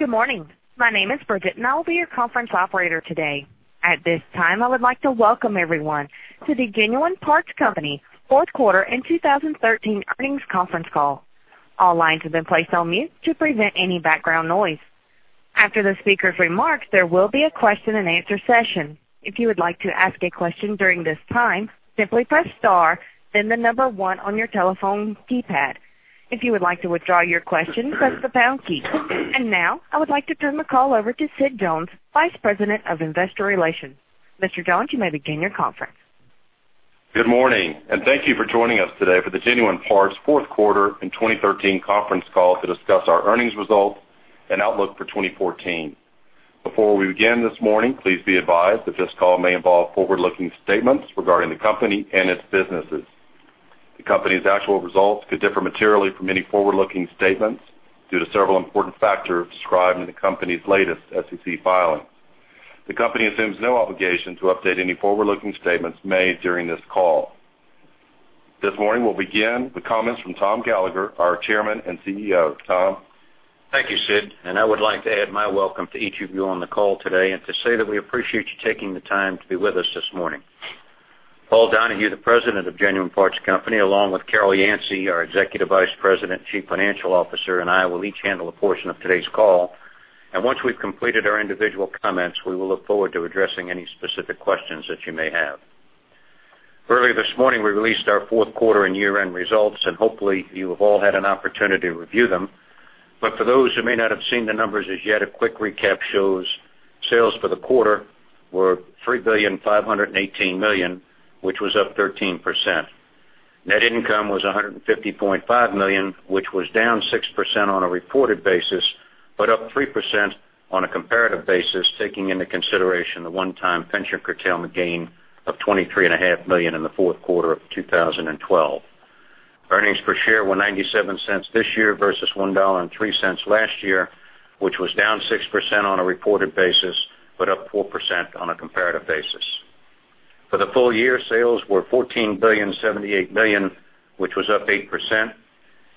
Good morning. My name is Bridget, and I will be your conference operator today. At this time, I would like to welcome everyone to the Genuine Parts Company fourth quarter and 2013 earnings conference call. All lines have been placed on mute to prevent any background noise. After the speaker's remarks, there will be a question and answer session. If you would like to ask a question during this time, simply press star, then the number 1 on your telephone keypad. If you would like to withdraw your question, press the pound key. Now, I would like to turn the call over to Sid Jones, Vice President of Investor Relations. Mr. Jones, you may begin your conference. Good morning. Thank you for joining us today for the Genuine Parts fourth quarter in 2013 conference call to discuss our earnings results and outlook for 2014. Before we begin this morning, please be advised that this call may involve forward-looking statements regarding the company and its businesses. The company's actual results could differ materially from any forward-looking statements due to several important factors described in the company's latest SEC filings. The company assumes no obligation to update any forward-looking statements made during this call. This morning, we'll begin with comments from Tom Gallagher, our Chairman and CEO. Tom? Thank you, Sid. I would like to add my welcome to each of you on the call today and to say that we appreciate you taking the time to be with us this morning. Paul Donahue, the President of Genuine Parts Company, along with Carol Yancey, our Executive Vice President, Chief Financial Officer, and I will each handle a portion of today's call. Once we've completed our individual comments, we will look forward to addressing any specific questions that you may have. Early this morning, we released our fourth quarter and year-end results. Hopefully you have all had an opportunity to review them. For those who may not have seen the numbers as yet, a quick recap shows sales for the quarter were $3.518 billion, which was up 13%. Net income was $150.5 million, which was down 6% on a reported basis, up 3% on a comparative basis, taking into consideration the one-time pension curtailment gain of $23.5 million in the fourth quarter of 2012. Earnings per share were $0.97 this year versus $1.03 last year, which was down 6% on a reported basis, up 4% on a comparative basis. For the full year, sales were $14.078 billion, which was up 8%.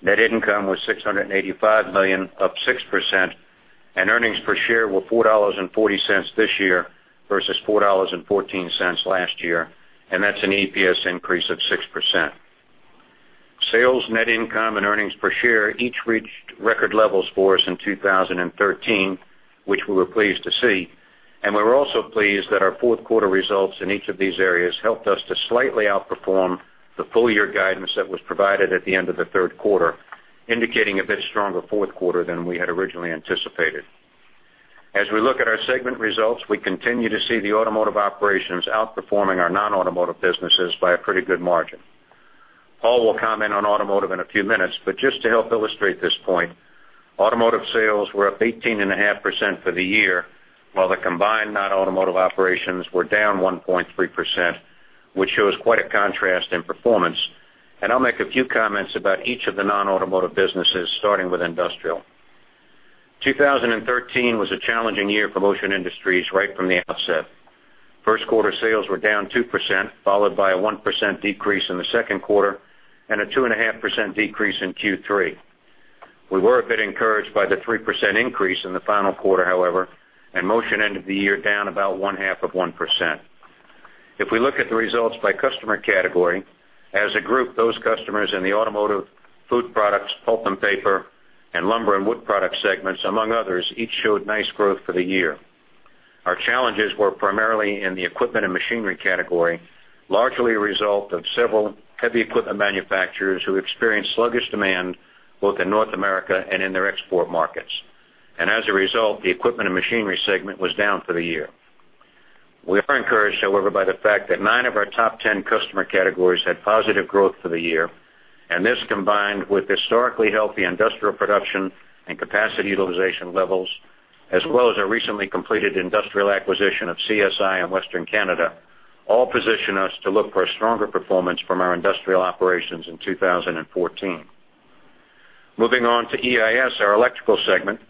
Net income was $685 million, up 6%. EPS were $4.40 this year versus $4.14 last year. That's an EPS increase of 6%. Sales, net income, and earnings per share each reached record levels for us in 2013, which we were pleased to see. We're also pleased that our fourth quarter results in each of these areas helped us to slightly outperform the full year guidance that was provided at the end of the third quarter, indicating a bit stronger fourth quarter than we had originally anticipated. As we look at our segment results, we continue to see the automotive operations outperforming our non-automotive businesses by a pretty good margin. Paul will comment on automotive in a few minutes, but just to help illustrate this point, automotive sales were up 18.5% for the year, while the combined non-automotive operations were down 1.3%, which shows quite a contrast in performance. I'll make a few comments about each of the non-automotive businesses, starting with industrial. 2013 was a challenging year for Motion Industries right from the outset. First quarter sales were down 2%, followed by a 1% decrease in the second quarter and a 2.5% decrease in Q3. We were a bit encouraged by the 3% increase in the final quarter, however, Motion ended the year down about one-half of 1%. If we look at the results by customer category, as a group, those customers in the automotive, food products, pulp and paper, and lumber and wood product segments, among others, each showed nice growth for the year. Our challenges were primarily in the equipment and machinery category, largely a result of several heavy equipment manufacturers who experienced sluggish demand both in North America and in their export markets. As a result, the equipment and machinery segment was down for the year. We are encouraged, however, by the fact that nine of our top 10 customer categories had positive growth for the year, this combined with historically healthy industrial production and capacity utilization levels, as well as our recently completed industrial acquisition of CSI in Western Canada, all position us to look for a stronger performance from our industrial operations in 2014. Moving on to EIS, our electrical segment.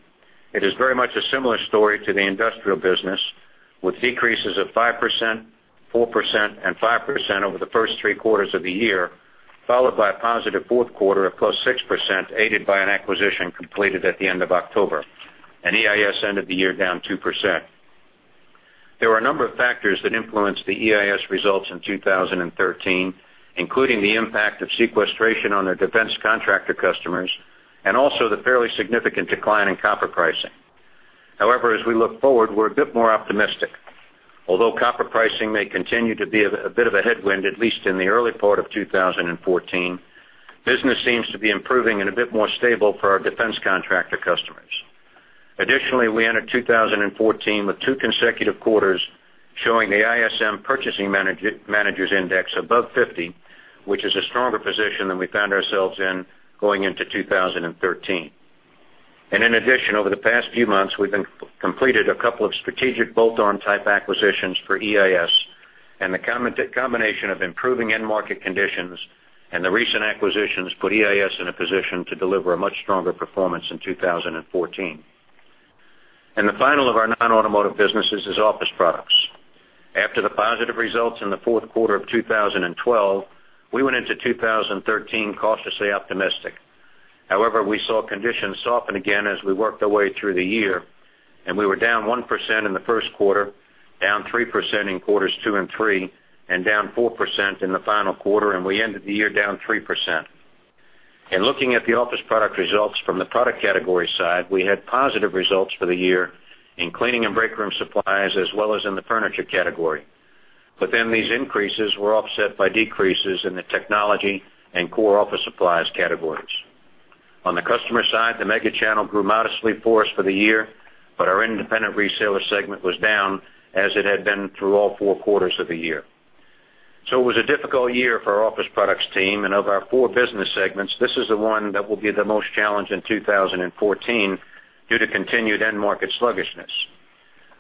It is very much a similar story to the industrial business, with decreases of 5%, 4%, and 5% over the first three quarters of the year, followed by a positive fourth quarter of +6%, aided by an acquisition completed at the end of October. EIS ended the year down 2%. There were a number of factors that influenced the EIS results in 2013, including the impact of sequestration on their defense contractor customers and also the fairly significant decline in copper pricing. However, as we look forward, we're a bit more optimistic. Although copper pricing may continue to be a bit of a headwind, at least in the early part of 2014, business seems to be improving and a bit more stable for our defense contractor customers. Additionally, we entered 2014 with two consecutive quarters showing the ISM Purchasing Managers' Index above 50, which is a stronger position than we found ourselves in going into 2013. In addition, over the past few months, we've completed a couple of strategic bolt-on type acquisitions for EIS, and the combination of improving end market conditions and the recent acquisitions put EIS in a position to deliver a much stronger performance in 2014. The final of our non-automotive businesses is office products. After the positive results in the fourth quarter of 2012, we went into 2013 cautiously optimistic. However, we saw conditions soften again as we worked our way through the year, and we were down 1% in the first quarter, down 3% in quarters two and three, and down 4% in the final quarter, and we ended the year down 3%. In looking at the office product results from the product category side, we had positive results for the year in cleaning and break room supplies, as well as in the furniture category. These increases were offset by decreases in the technology and core office supplies categories. On the customer side, the mega channel grew modestly for us for the year, but our independent reseller segment was down as it had been through all four quarters of the year. It was a difficult year for our office products team. Of our four business segments, this is the one that will be the most challenged in 2014 due to continued end market sluggishness.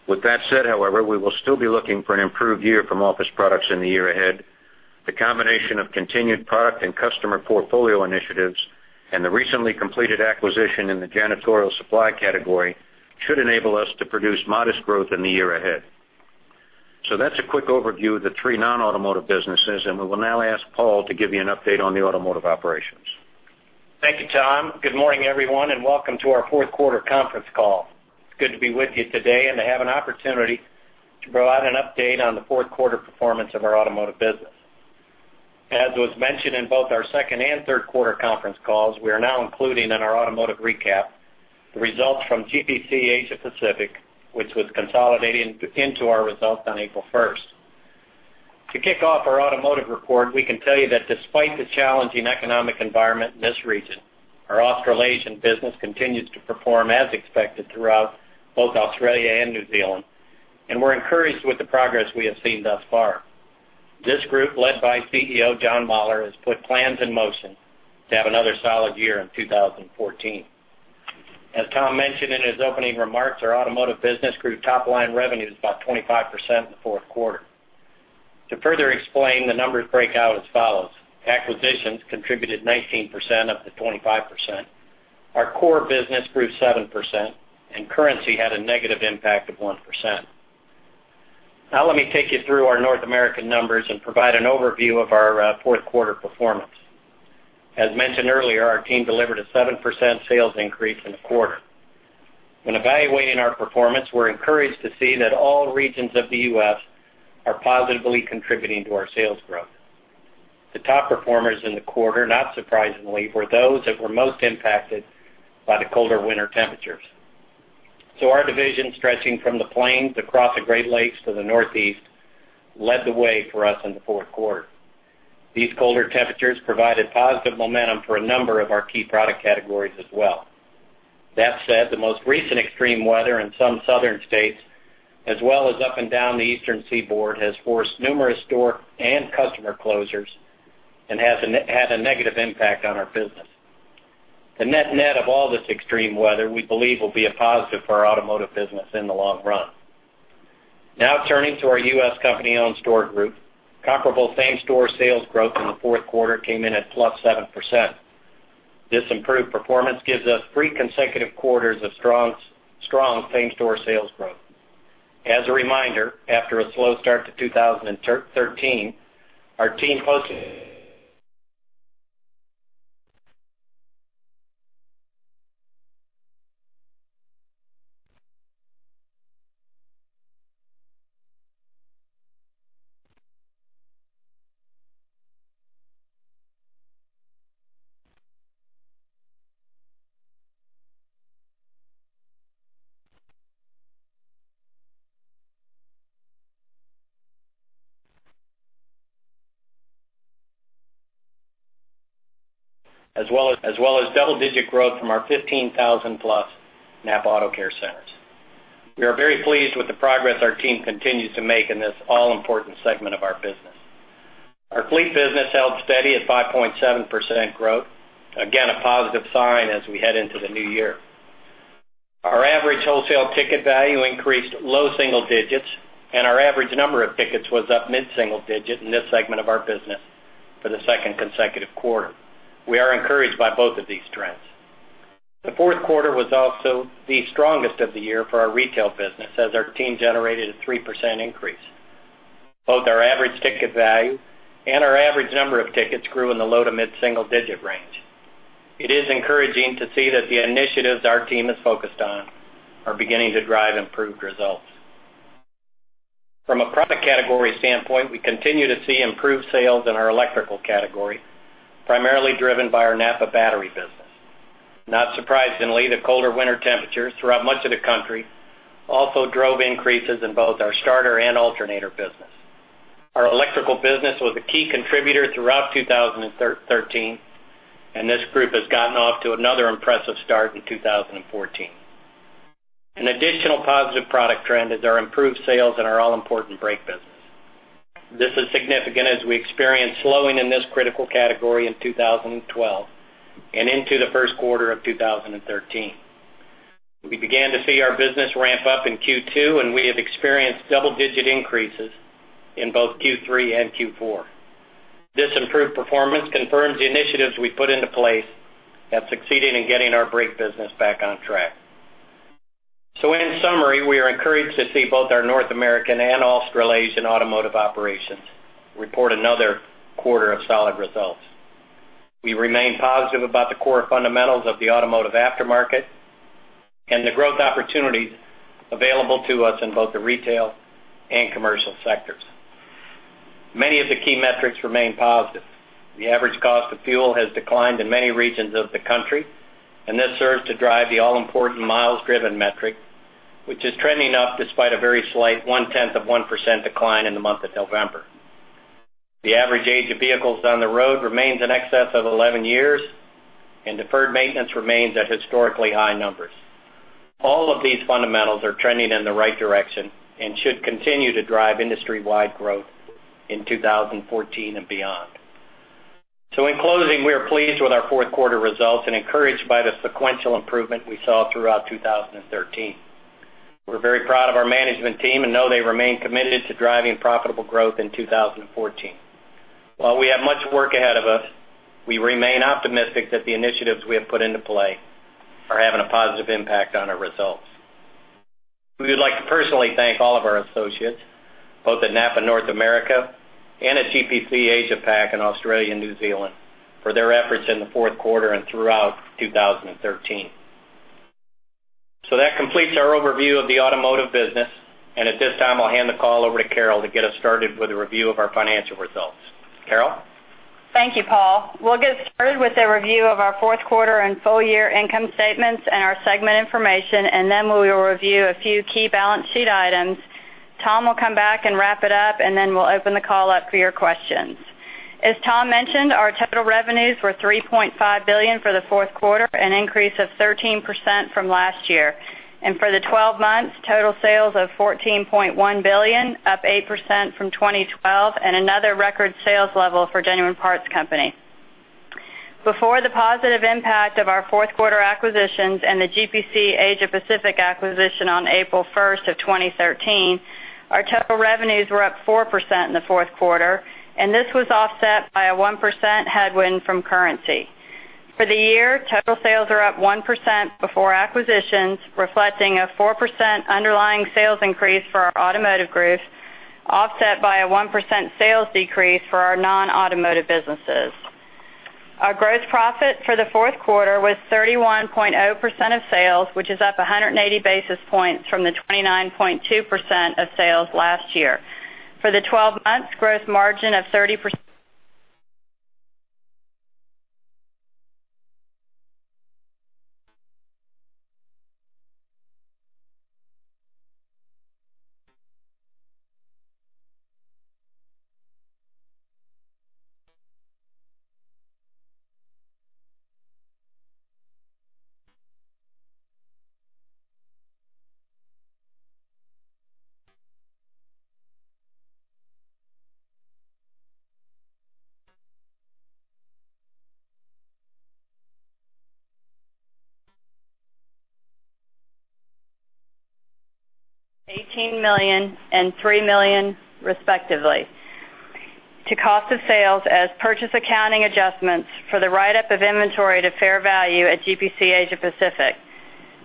With that said, however, we will still be looking for an improved year from office products in the year ahead. The combination of continued product and customer portfolio initiatives and the recently completed acquisition in the janitorial supply category should enable us to produce modest growth in the year ahead. That's a quick overview of the three non-automotive businesses, and we will now ask Paul to give you an update on the automotive operations. Thank you, Tom. Good morning, everyone, and welcome to our fourth quarter conference call. It's good to be with you today and to have an opportunity to provide an update on the fourth quarter performance of our automotive business. As was mentioned in both our second and third quarter conference calls, we are now including in our automotive recap the results from GPC Asia Pacific, which was consolidated into our results on April 1st. To kick off our automotive report, we can tell you that despite the challenging economic environment in this region, our Australasian business continues to perform as expected throughout both Australia and New Zealand, and we're encouraged with the progress we have seen thus far. This group, led by CEO John Mahler, has put plans in motion to have another solid year in 2014. As Tom mentioned in his opening remarks, our automotive business grew top line revenues about 25% in the fourth quarter. To further explain, the numbers break out as follows: Acquisitions contributed 19% of the 25%, our core business grew 7%, and currency had a negative impact of 1%. Now let me take you through our North American numbers and provide an overview of our fourth quarter performance. As mentioned earlier, our team delivered a 7% sales increase in the quarter. When evaluating our performance, we're encouraged to see that all regions of the U.S. are positively contributing to our sales growth. The top performers in the quarter, not surprisingly, were those that were most impacted by the colder winter temperatures. Our division stretching from the plains across the Great Lakes to the Northeast led the way for us in the fourth quarter. These colder temperatures provided positive momentum for a number of our key product categories as well. That said, the most recent extreme weather in some southern states, as well as up and down the eastern seaboard, has forced numerous store and customer closures and had a negative impact on our business. The net-net of all this extreme weather, we believe will be a positive for our automotive business in the long run. Turning to our U.S. company-owned store group. Comparable same-store sales growth in the fourth quarter came in at +7%. This improved performance gives us three consecutive quarters of strong same-store sales growth. As a reminder, after a slow start to 2013, our team. As well as double-digit growth from our 15,000+ NAPA AutoCare Centers. We are very pleased with the progress our team continues to make in this all-important segment of our business. Our fleet business held steady at 5.7% growth. Again, a positive sign as we head into the new year. Our average wholesale ticket value increased low single digits, and our average number of tickets was up mid-single digit in this segment of our business for the second consecutive quarter. We are encouraged by both of these trends. The fourth quarter was also the strongest of the year for our retail business as our team generated a 3% increase. Both our average ticket value and our average number of tickets grew in the low to mid-single digit range. It is encouraging to see that the initiatives our team is focused on are beginning to drive improved results. From a product category standpoint, we continue to see improved sales in our electrical category, primarily driven by our NAPA battery business. Not surprisingly, the colder winter temperatures throughout much of the country also drove increases in both our starter and alternator business. Our electrical business was a key contributor throughout 2013, and this group has gotten off to another impressive start in 2014. An additional positive product trend is our improved sales in our all-important brake business. This is significant as we experienced slowing in this critical category in 2012 and into the first quarter of 2013. We began to see our business ramp up in Q2, and we have experienced double-digit increases in both Q3 and Q4. This improved performance confirms the initiatives we put into place have succeeded in getting our brake business back on track. In summary, we are encouraged to see both our North American and Australasian automotive operations report another quarter of solid results. We remain positive about the core fundamentals of the automotive aftermarket and the growth opportunities available to us in both the retail and commercial sectors. Many of the key metrics remain positive. The average cost of fuel has declined in many regions of the country, and this serves to drive the all-important miles-driven metric, which is trending up despite a very slight one-tenth of 1% decline in the month of November. The average age of vehicles on the road remains in excess of 11 years, and deferred maintenance remains at historically high numbers. All of these fundamentals are trending in the right direction and should continue to drive industry-wide growth in 2014 and beyond. In closing, we are pleased with our fourth quarter results and encouraged by the sequential improvement we saw throughout 2013. We're very proud of our management team and know they remain committed to driving profitable growth in 2014. While we have much work ahead of us, we remain optimistic that the initiatives we have put into play are having a positive impact on our results. We would like to personally thank all of our associates, both at NAPA North America and at GPC Asia Pac in Australia and New Zealand, for their efforts in the fourth quarter and throughout 2013. That completes our overview of the automotive business. At this time, I'll hand the call over to Carol to get us started with a review of our financial results. Carol? Thank you, Paul. We'll get started with a review of our fourth quarter and full year income statements and our segment information. We will review a few key balance sheet items. Tom will come back and wrap it up. We'll open the call up for your questions. As Tom mentioned, our total revenues were $3.5 billion for the fourth quarter, an increase of 13% from last year. For the 12 months, total sales of $14.1 billion, up 8% from 2012, and another record sales level for Genuine Parts Company. Before the positive impact of our fourth quarter acquisitions and the GPC Asia Pacific acquisition on April 1st of 2013, our total revenues were up 4% in the fourth quarter. This was offset by a 1% headwind from currency. For the year, total sales are up 1% before acquisitions, reflecting a 4% underlying sales increase for our automotive group, offset by a 1% sales decrease for our non-automotive businesses. Our gross profit for the fourth quarter was 31.0% of sales, which is up 180 basis points from the 29.2% of sales last year. For the 12 months, gross margin of 30% $18 million and $3 million respectively to cost of sales as purchase accounting adjustments for the write-up of inventory to fair value at GPC Asia Pacific.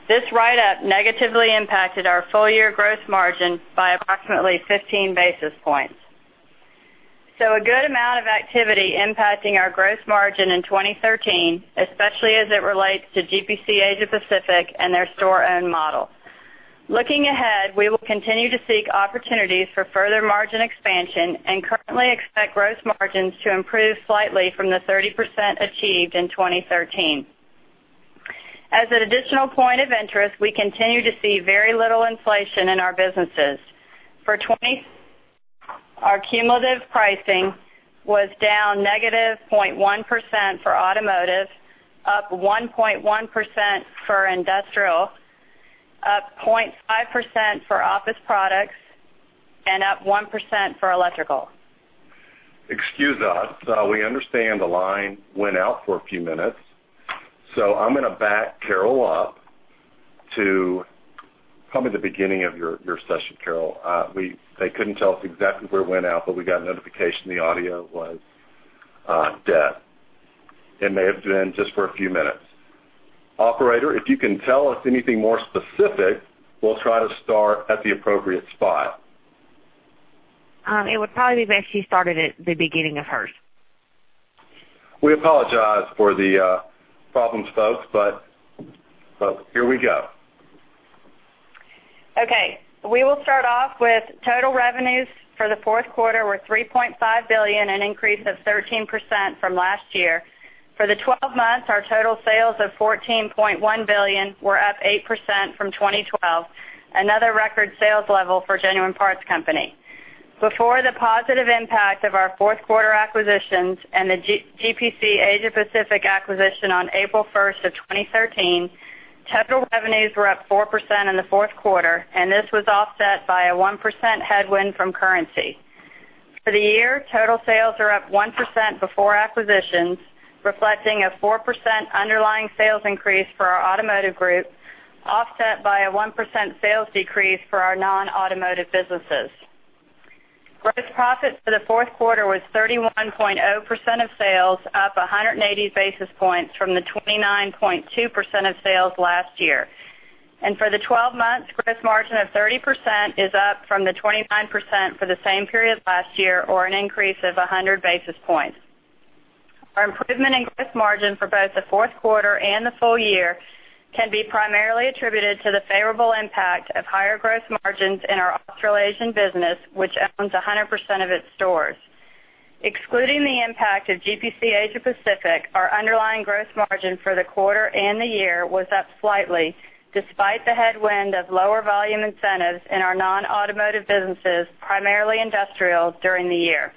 This write-up negatively impacted our full-year gross margin by approximately 15 basis points. A good amount of activity impacting our gross margin in 2013, especially as it relates to GPC Asia Pacific and their store-owned model. Looking ahead, we will continue to seek opportunities for further margin expansion and currently expect gross margins to improve slightly from the 30% achieved in 2013. As an additional point of interest, we continue to see very little inflation in our businesses. Our cumulative pricing was down negative 0.1% for automotive, up 1.1% for industrial, up 0.5% for office products, and up 1% for electrical. Excuse us. We understand the line went out for a few minutes. I'm going to back Carol up to probably the beginning of your session, Carol. They couldn't tell us exactly where it went out, but we got notification the audio was dead. It may have been just for a few minutes. Operator, if you can tell us anything more specific, we'll try to start at the appropriate spot. It would probably be best she started at the beginning of hers. We apologize for the problems, folks, Here we go. We will start off with total revenues for the fourth quarter were $3.5 billion, an increase of 13% from last year. For the 12 months, our total sales of $14.1 billion were up 8% from 2012, another record sales level for Genuine Parts Company. Before the positive impact of our fourth quarter acquisitions and the GPC Asia Pacific acquisition on April 1st of 2013, total revenues were up 4% in the fourth quarter. This was offset by a 1% headwind from currency. For the year, total sales are up 1% before acquisitions, reflecting a 4% underlying sales increase for our automotive group, offset by a 1% sales decrease for our non-automotive businesses. Gross profit for the fourth quarter was 31.0% of sales, up 180 basis points from the 29.2% of sales last year. For the 12 months, gross margin of 30% is up from the 29% for the same period last year, or an increase of 100 basis points. Our improvement in gross margin for both the fourth quarter and the full year can be primarily attributed to the favorable impact of higher gross margins in our Australasian business, which owns 100% of its stores. Excluding the impact of GPC Asia Pacific, our underlying gross margin for the quarter and the year was up slightly, despite the headwind of lower volume incentives in our non-automotive businesses, primarily industrial, during the year.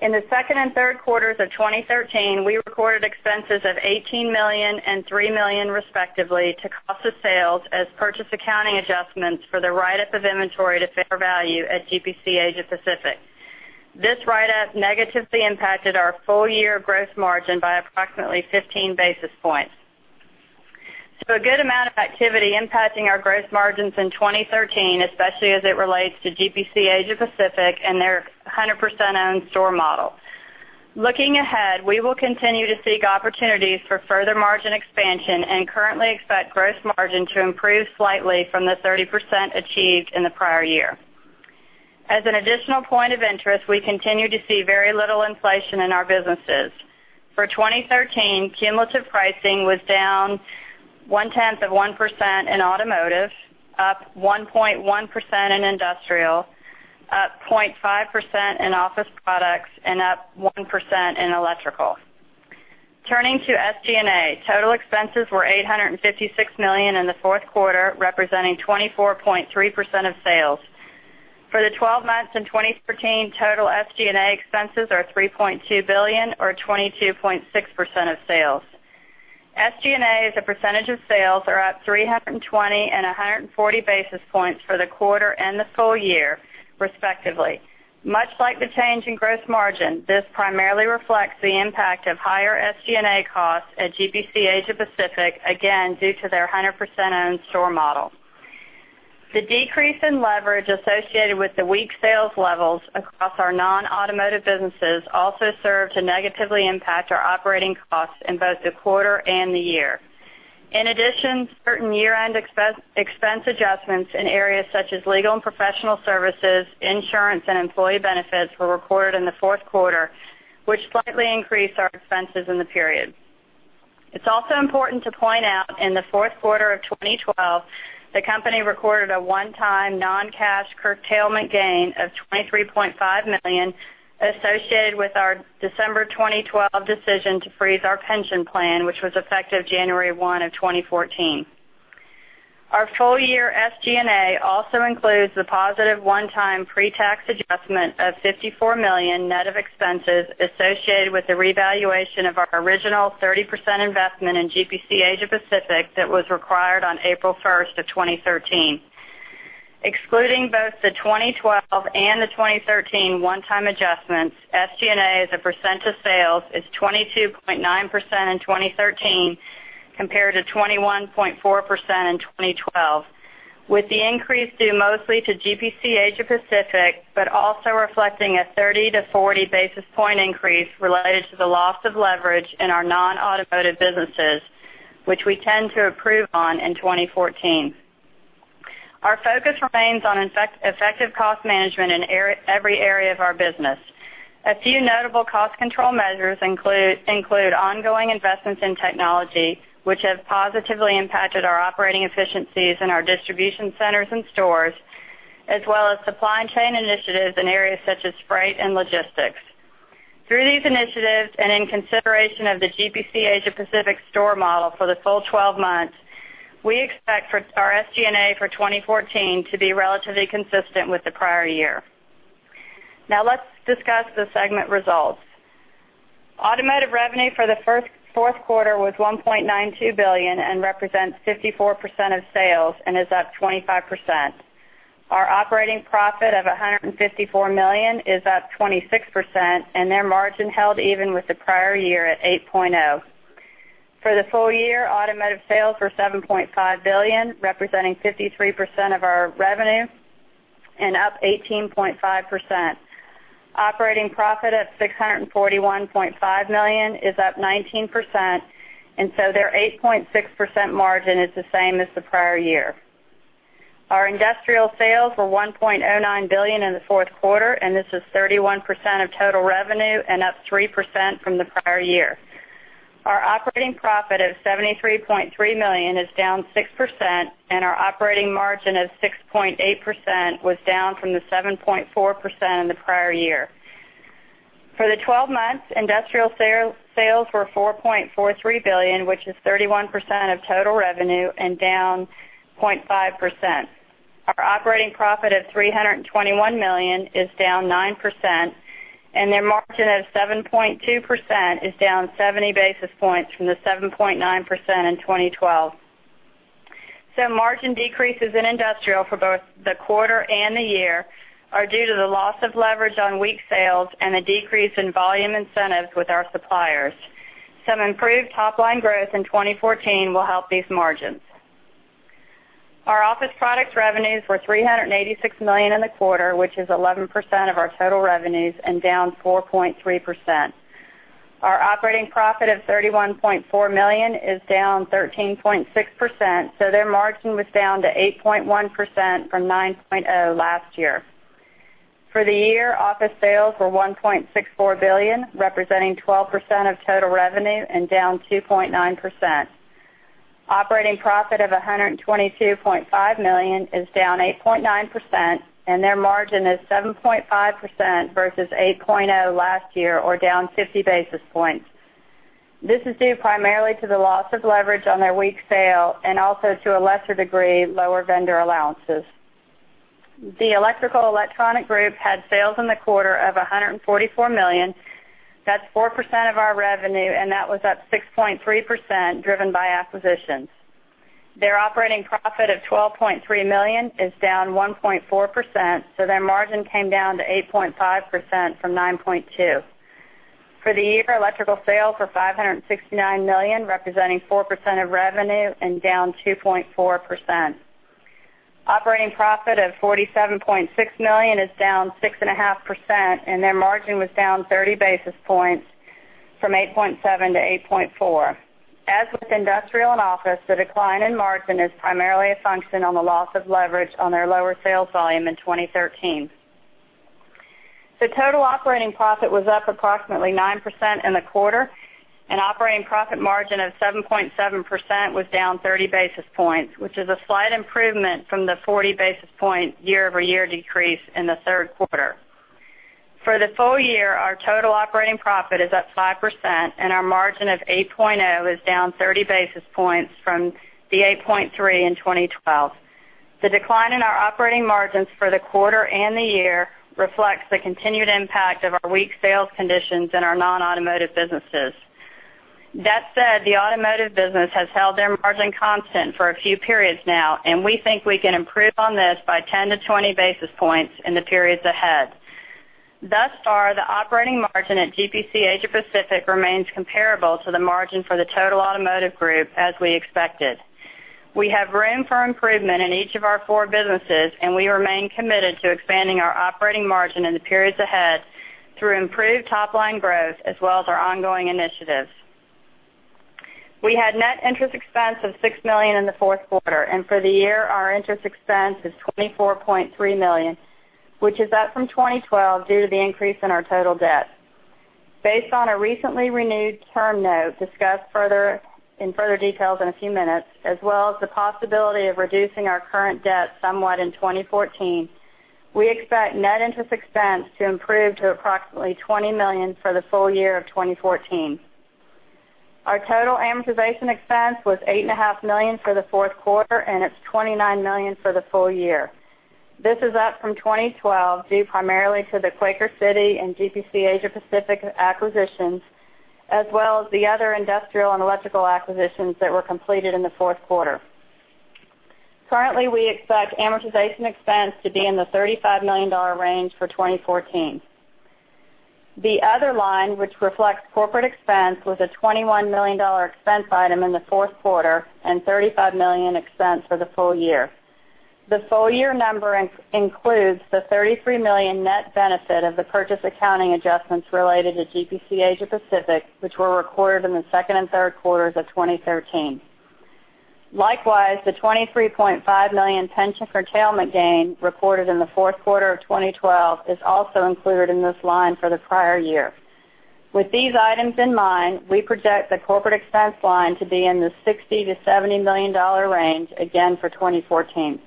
In the second and third quarters of 2013, we recorded expenses of $18 million and $3 million respectively to cost of sales as purchase accounting adjustments for the write-up of inventory to fair value at GPC Asia Pacific. This write-up negatively impacted our full-year gross margin by approximately 15 basis points. A good amount of activity impacting our gross margins in 2013, especially as it relates to GPC Asia Pacific and their 100% owned store model. Looking ahead, we will continue to seek opportunities for further margin expansion and currently expect gross margin to improve slightly from the 30% achieved in the prior year. As an additional point of interest, we continue to see very little inflation in our businesses. For 2013, cumulative pricing was down one tenth of 1% in automotive, up 1.1% in industrial, up 0.5% in office products, and up 1% in electrical. Turning to SG&A, total expenses were $856 million in the fourth quarter, representing 24.3% of sales. For the 12 months in 2013, total SG&A expenses are $3.2 billion or 22.6% of sales. SG&A as a percentage of sales are up 320 and 140 basis points for the quarter and this full year, respectively. Much like the change in gross margin, this primarily reflects the impact of higher SG&A costs at GPC Asia Pacific, again, due to their 100% owned store model. The decrease in leverage associated with the weak sales levels across our non-automotive businesses also served to negatively impact our operating costs in both the quarter and the year. In addition, certain year-end expense adjustments in areas such as legal and professional services, insurance, and employee benefits were recorded in the fourth quarter, which slightly increased our expenses in the period. It's also important to point out in the fourth quarter of 2012, the company recorded a one-time non-cash curtailment gain of $23.5 million associated with our December 2012 decision to freeze our pension plan, which was effective January 1 of 2014. Our full-year SG&A also includes the positive one-time pre-tax adjustment of $54 million, net of expenses, associated with the revaluation of our original 30% investment in GPC Asia Pacific that was required on April 1st of 2013. Excluding both the 2012 and the 2013 one-time adjustments, SG&A as a percent of sales is 22.9% in 2013, compared to 21.4% in 2012, with the increase due mostly to GPC Asia Pacific, but also reflecting a 30-40 basis point increase related to the loss of leverage in our non-automotive businesses, which we tend to improve on in 2014. Our focus remains on effective cost management in every area of our business. A few notable cost control measures include ongoing investments in technology, which have positively impacted our operating efficiencies in our distribution centers and stores, as well as supply chain initiatives in areas such as freight and logistics. Through these initiatives and in consideration of the GPC Asia Pacific store model for the full 12 months, we expect our SG&A for 2014 to be relatively consistent with the prior year. Let's discuss the segment results. Automotive revenue for the fourth quarter was $1.92 billion and represents 54% of sales and is up 25%. Our operating profit of $154 million is up 26%, and their margin held even with the prior year at 8.0%. For the full year, Automotive sales were $7.5 billion, representing 53% of our revenue and up 18.5%. Operating profit at $641.5 million is up 19%, their 8.6% margin is the same as the prior year. Our Industrial sales were $1.09 billion in the fourth quarter, this is 31% of total revenue and up 3% from the prior year. Our operating profit of $73.3 million is down 6%, and our operating margin of 6.8% was down from the 7.4% in the prior year. For the 12 months, Industrial sales were $4.43 billion, which is 31% of total revenue and down 0.5%. Our operating profit of $321 million is down 9%, and their margin of 7.2% is down 70 basis points from the 7.9% in 2012. Margin decreases in Industrial for both the quarter and the year are due to the loss of leverage on weak sales and a decrease in volume incentives with our suppliers. Some improved top-line growth in 2014 will help these margins. Our Office Products revenues were $386 million in the quarter, which is 11% of our total revenues and down 4.3%. Our operating profit of $31.4 million is down 13.6%, their margin was down to 8.1% from 9.0% last year. For the year, Office sales were $1.64 billion, representing 12% of total revenue and down 2.9%. Operating profit of $122.5 million is down 8.9%, and their margin is 7.5% versus 8.0% last year or down 50 basis points. This is due primarily to the loss of leverage on their weak sale and also to a lesser degree, lower vendor allowances. The Electrical Electronic Group had sales in the quarter of $144 million. That's 4% of our revenue, and that was up 6.3%, driven by acquisitions. Their operating profit of $12.3 million is down 1.4%, their margin came down to 8.5% from 9.2%. For the year, Electrical sales were $569 million, representing 4% of revenue and down 2.4%. Operating profit of $47.6 million is down 6.5%, and their margin was down 30 basis points from 8.7% to 8.4%. As with Industrial and Office, the decline in margin is primarily a function on the loss of leverage on their lower sales volume in 2013. Total operating profit was up approximately 9% in the quarter, and operating profit margin of 7.7% was down 30 basis points, which is a slight improvement from the 40 basis point year-over-year decrease in the third quarter. For the full year, our total operating profit is up 5%, and our margin of 8.0% is down 30 basis points from the 8.3% in 2012. The decline in our operating margins for the quarter and the year reflects the continued impact of our weak sales conditions in our non-automotive businesses. That said, the Automotive business has held their margin constant for a few periods now, and we think we can improve on this by 10 to 20 basis points in the periods ahead. Thus far, the operating margin at GPC Asia Pacific remains comparable to the margin for the total automotive group, as we expected. We have room for improvement in each of our four businesses, and we remain committed to expanding our operating margin in the periods ahead through improved top-line growth as well as our ongoing initiatives. We had net interest expense of $6 million in the fourth quarter, and for the year, our interest expense is $24.3 million, which is up from 2012 due to the increase in our total debt. Based on a recently renewed term note discussed in further details in a few minutes, as well as the possibility of reducing our current debt somewhat in 2014, we expect net interest expense to improve to approximately $20 million for the full year of 2014. Our total amortization expense was $8.5 million for the fourth quarter, and it's $29 million for the full year. This is up from 2012, due primarily to the Quaker City and GPC Asia Pacific acquisitions, as well as the other industrial and electrical acquisitions that were completed in the fourth quarter. Currently, we expect amortization expense to be in the $35 million range for 2014. The other line, which reflects corporate expense, was a $21 million expense item in the fourth quarter and $35 million expense for the full year. The full-year number includes the $33 million net benefit of the purchase accounting adjustments related to GPC Asia Pacific, which were recorded in the second and third quarters of 2013. Likewise, the $23.5 million pension curtailment gain recorded in the fourth quarter of 2012 is also included in this line for the prior year. With these items in mind, we project the corporate expense line to be in the $60 million-$70 million range again for 2014.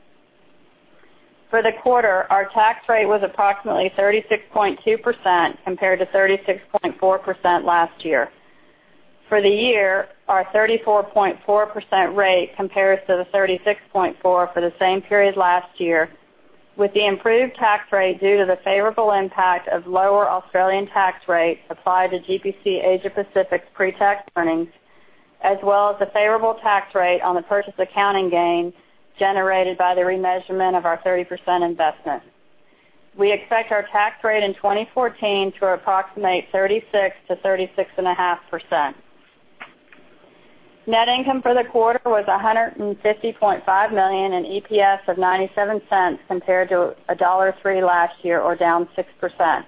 For the quarter, our tax rate was approximately 36.2% compared to 36.4% last year. For the year, our 34.4% rate compares to the 36.4% for the same period last year, with the improved tax rate due to the favorable impact of lower Australian tax rates applied to GPC Asia Pacific's pretax earnings, as well as the favorable tax rate on the purchase accounting gain generated by the remeasurement of our 30% investment. We expect our tax rate in 2014 to approximate 36%-36.5%. Net income for the quarter was $150.5 million and EPS of $0.97 compared to $1.03 last year or down 6%.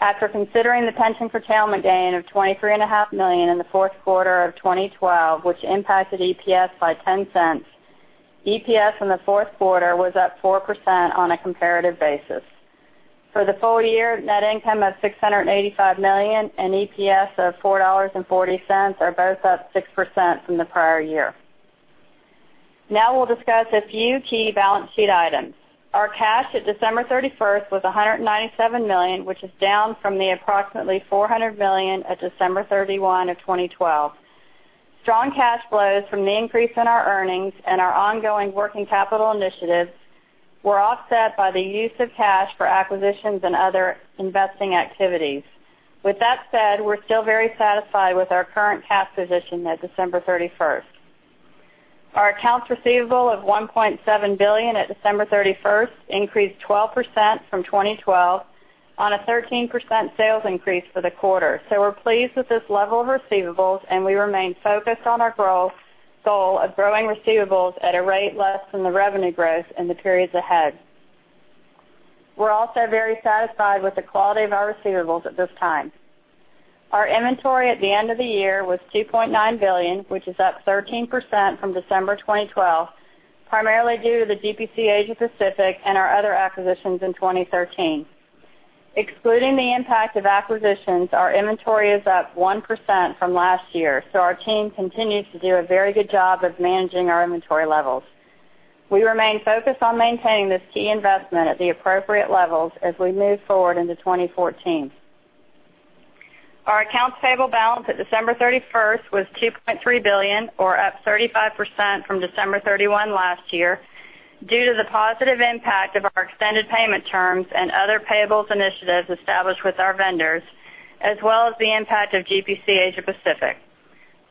After considering the pension curtailment gain of $23.5 million in the fourth quarter of 2012, which impacted EPS by $0.10, EPS in the fourth quarter was up 4% on a comparative basis. For the full year, net income of $685 million and EPS of $4.40 are both up 6% from the prior year. Now we'll discuss a few key balance sheet items. Our cash at December 31st was $197 million, which is down from the approximately $400 million at December 31, 2012. Strong cash flows from the increase in our earnings and our ongoing working capital initiatives were offset by the use of cash for acquisitions and other investing activities. With that said, we're still very satisfied with our current cash position at December 31st. Our accounts receivable of $1.7 billion at December 31st increased 12% from 2012 on a 13% sales increase for the quarter. We're pleased with this level of receivables. We remain focused on our goal of growing receivables at a rate less than the revenue growth in the periods ahead. We're also very satisfied with the quality of our receivables at this time. Our inventory at the end of the year was $2.9 billion, which is up 13% from December 2012, primarily due to the GPC Asia Pacific and our other acquisitions in 2013. Excluding the impact of acquisitions, our inventory is up 1% from last year. Our team continues to do a very good job of managing our inventory levels. We remain focused on maintaining this key investment at the appropriate levels as we move forward into 2014. Our accounts payable balance at December 31st was $2.3 billion, or up 35% from December 31 last year, due to the positive impact of our extended payment terms and other payables initiatives established with our vendors, as well as the impact of GPC Asia Pacific.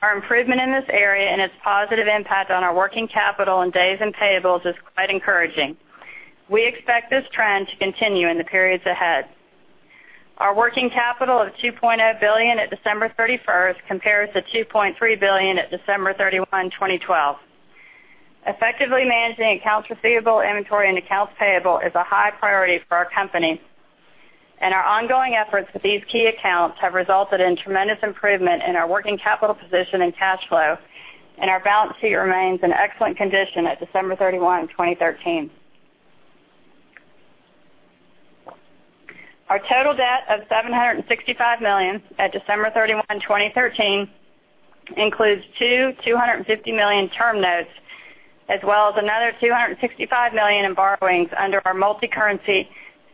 Our improvement in this area and its positive impact on our working capital and days in payables is quite encouraging. We expect this trend to continue in the periods ahead. Our working capital of $2.0 billion at December 31st compares to $2.3 billion at December 31, 2012. Effectively managing accounts receivable, inventory, and accounts payable is a high priority for our company. Our ongoing efforts with these key accounts have resulted in tremendous improvement in our working capital position and cash flow, and our balance sheet remains in excellent condition at December 31, 2013. Our total debt of $765 million at December 31, 2013 includes two $250 million term notes, as well as another $265 million in borrowings under our multi-currency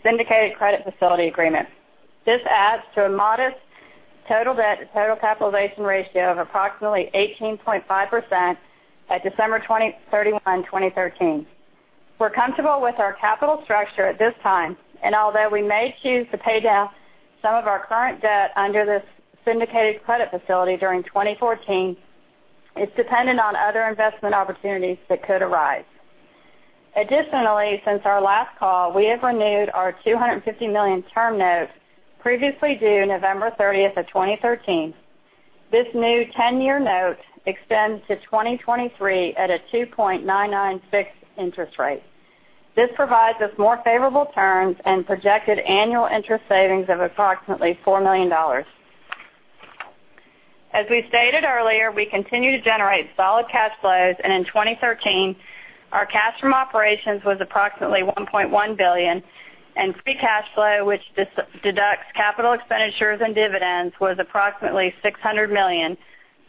syndicated credit facility agreement. This adds to a modest total debt to total capitalization ratio of approximately 18.5% at December 31, 2013. We're comfortable with our capital structure at this time. Although we may choose to pay down some of our current debt under this syndicated credit facility during 2014, it's dependent on other investment opportunities that could arise. Additionally, since our last call, we have renewed our $250 million term note previously due November 30th of 2013. This new 10-year note extends to 2023 at a 2.996% interest rate. This provides us more favorable terms and projected annual interest savings of approximately $4 million. As we stated earlier, we continue to generate solid cash flows. In 2013, our cash from operations was approximately $1.1 billion, and free cash flow, which deducts capital expenditures and dividends, was approximately $600 million,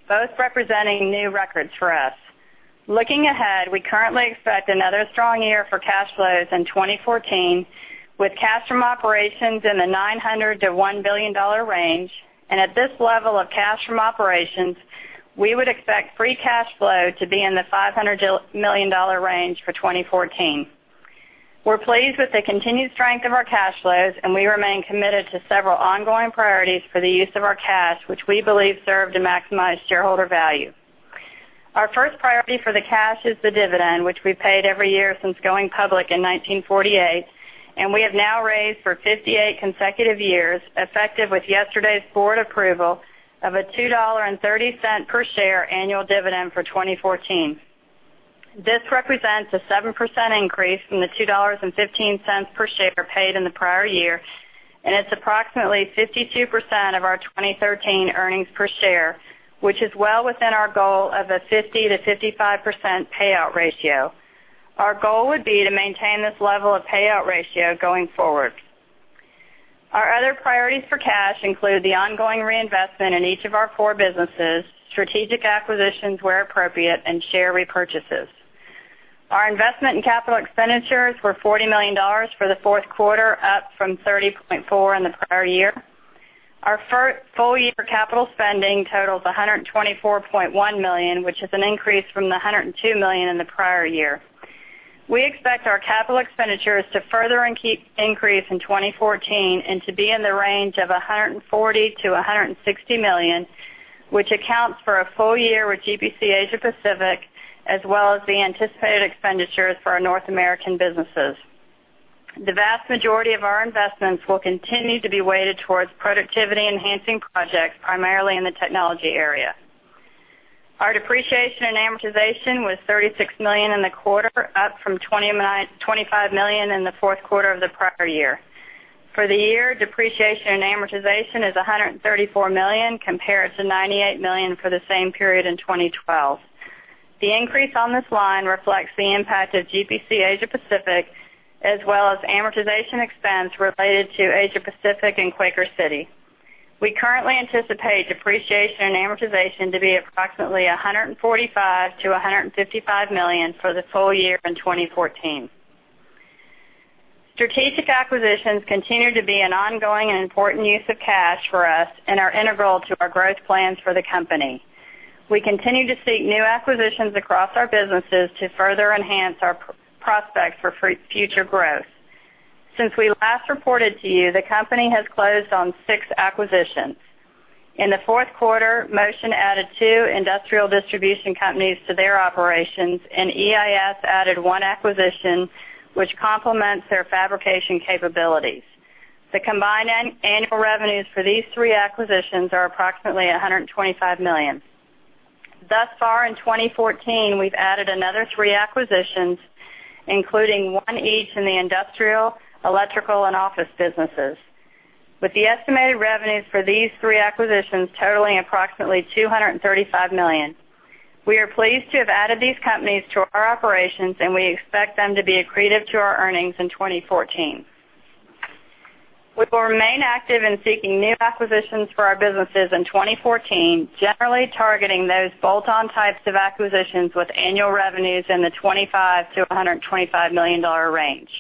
both representing new records for us. Looking ahead, we currently expect another strong year for cash flows in 2014, with cash from operations in the $900 million to $1 billion range. At this level of cash from operations, we would expect free cash flow to be in the $500 million range for 2014. We're pleased with the continued strength of our cash flows. We remain committed to several ongoing priorities for the use of our cash, which we believe serve to maximize shareholder value. Our first priority for the cash is the dividend, which we paid every year since going public in 1948. We have now raised for 58 consecutive years, effective with yesterday's board approval of a $2.30 per share annual dividend for 2014. This represents a 7% increase from the $2.15 per share paid in the prior year, and it's approximately 52% of our 2013 earnings per share, which is well within our goal of a 50%-55% payout ratio. Our goal would be to maintain this level of payout ratio going forward. Our other priorities for cash include the ongoing reinvestment in each of our core businesses, strategic acquisitions where appropriate, and share repurchases. Our investment in capital expenditures were $40 million for the fourth quarter, up from $30.4 in the prior year. Our full-year capital spending totals $124.1 million, which is an increase from the $102 million in the prior year. We expect our capital expenditures to further increase in 2014 and to be in the range of $140 million-$160 million, which accounts for a full year with GPC Asia Pacific, as well as the anticipated expenditures for our North American businesses. The vast majority of our investments will continue to be weighted towards productivity-enhancing projects, primarily in the technology area. Our depreciation and amortization was $36 million in the quarter, up from $25 million in the fourth quarter of the prior year. For the year, depreciation and amortization is $134 million, compared to $98 million for the same period in 2012. The increase on this line reflects the impact of GPC Asia Pacific, as well as amortization expense related to Asia Pacific and Quaker City. We currently anticipate depreciation and amortization to be approximately $145 million-$155 million for the full year in 2014. Strategic acquisitions continue to be an ongoing and important use of cash for us and are integral to our growth plans for the company. We continue to seek new acquisitions across our businesses to further enhance our prospects for future growth. Since we last reported to you, the company has closed on six acquisitions. In the fourth quarter, Motion added two industrial distribution companies to their operations, and EIS added one acquisition, which complements their fabrication capabilities. The combined annual revenues for these three acquisitions are approximately $125 million. Thus far in 2014, we've added another three acquisitions, including one each in the industrial, electrical, and office businesses. With the estimated revenues for these three acquisitions totaling approximately $235 million. We are pleased to have added these companies to our operations. We expect them to be accretive to our earnings in 2014. We will remain active in seeking new acquisitions for our businesses in 2014, generally targeting those bolt-on types of acquisitions with annual revenues in the $25 million-$125 million range.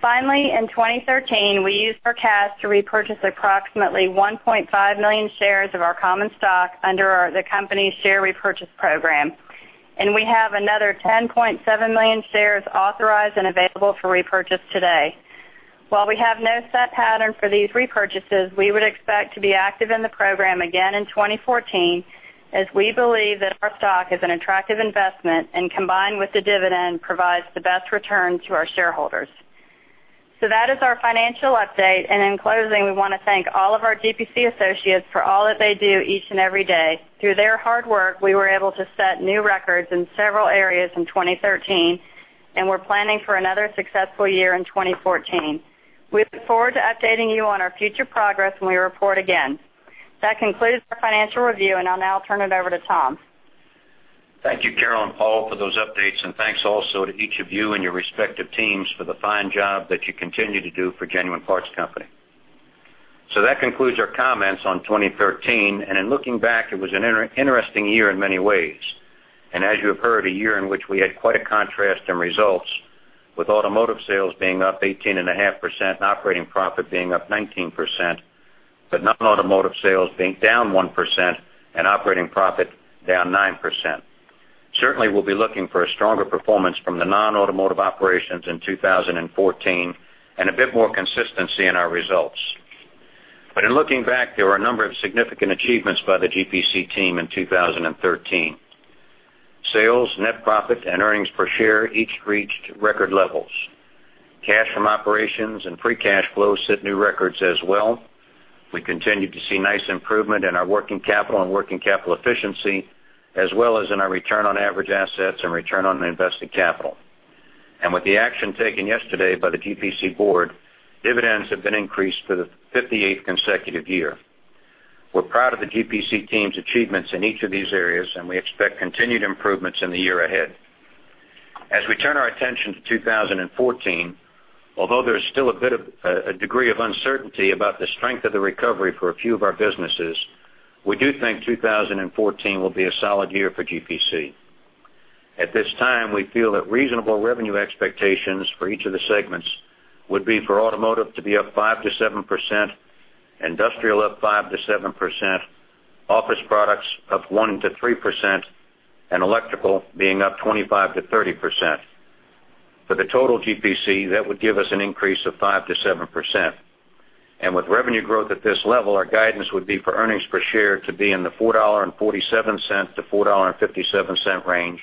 Finally, in 2013, we used our cash to repurchase approximately 1.5 million shares of our common stock under the company's share repurchase program. We have another 10.7 million shares authorized and available for repurchase today. While we have no set pattern for these repurchases, we would expect to be active in the program again in 2014, as we believe that our stock is an attractive investment and combined with the dividend, provides the best return to our shareholders. That is our financial update. In closing, we want to thank all of our GPC associates for all that they do each and every day. Through their hard work, we were able to set new records in several areas in 2013. We're planning for another successful year in 2014. We look forward to updating you on our future progress when we report again. That concludes our financial review. I'll now turn it over to Tom. Thank you, Carol and Paul, for those updates. Thanks also to each of you and your respective teams for the fine job that you continue to do for Genuine Parts Company. That concludes our comments on 2013. In looking back, it was an interesting year in many ways. As you have heard, a year in which we had quite a contrast in results, with automotive sales being up 18.5% and operating profit being up 19%. Non-automotive sales being down 1% and operating profit down 9%. Certainly, we'll be looking for a stronger performance from the non-automotive operations in 2014 and a bit more consistency in our results. In looking back, there were a number of significant achievements by the GPC team in 2013. Sales, net profit, and earnings per share each reached record levels. Cash from operations and free cash flow set new records as well. We continued to see nice improvement in our working capital and working capital efficiency, as well as in our return on average assets and return on invested capital. With the action taken yesterday by the GPC board, dividends have been increased for the 58th consecutive year. We're proud of the GPC team's achievements in each of these areas. We expect continued improvements in the year ahead. As we turn our attention to 2014, although there is still a degree of uncertainty about the strength of the recovery for a few of our businesses, we do think 2014 will be a solid year for GPC. At this time, we feel that reasonable revenue expectations for each of the segments would be for automotive to be up 5%-7%, industrial up 5%-7%, office products up 1%-3%. Electrical being up 25%-30%. For the total GPC, that would give us an increase of 5%-7%. With revenue growth at this level, our guidance would be for earnings per share to be in the $4.47-$4.57 range,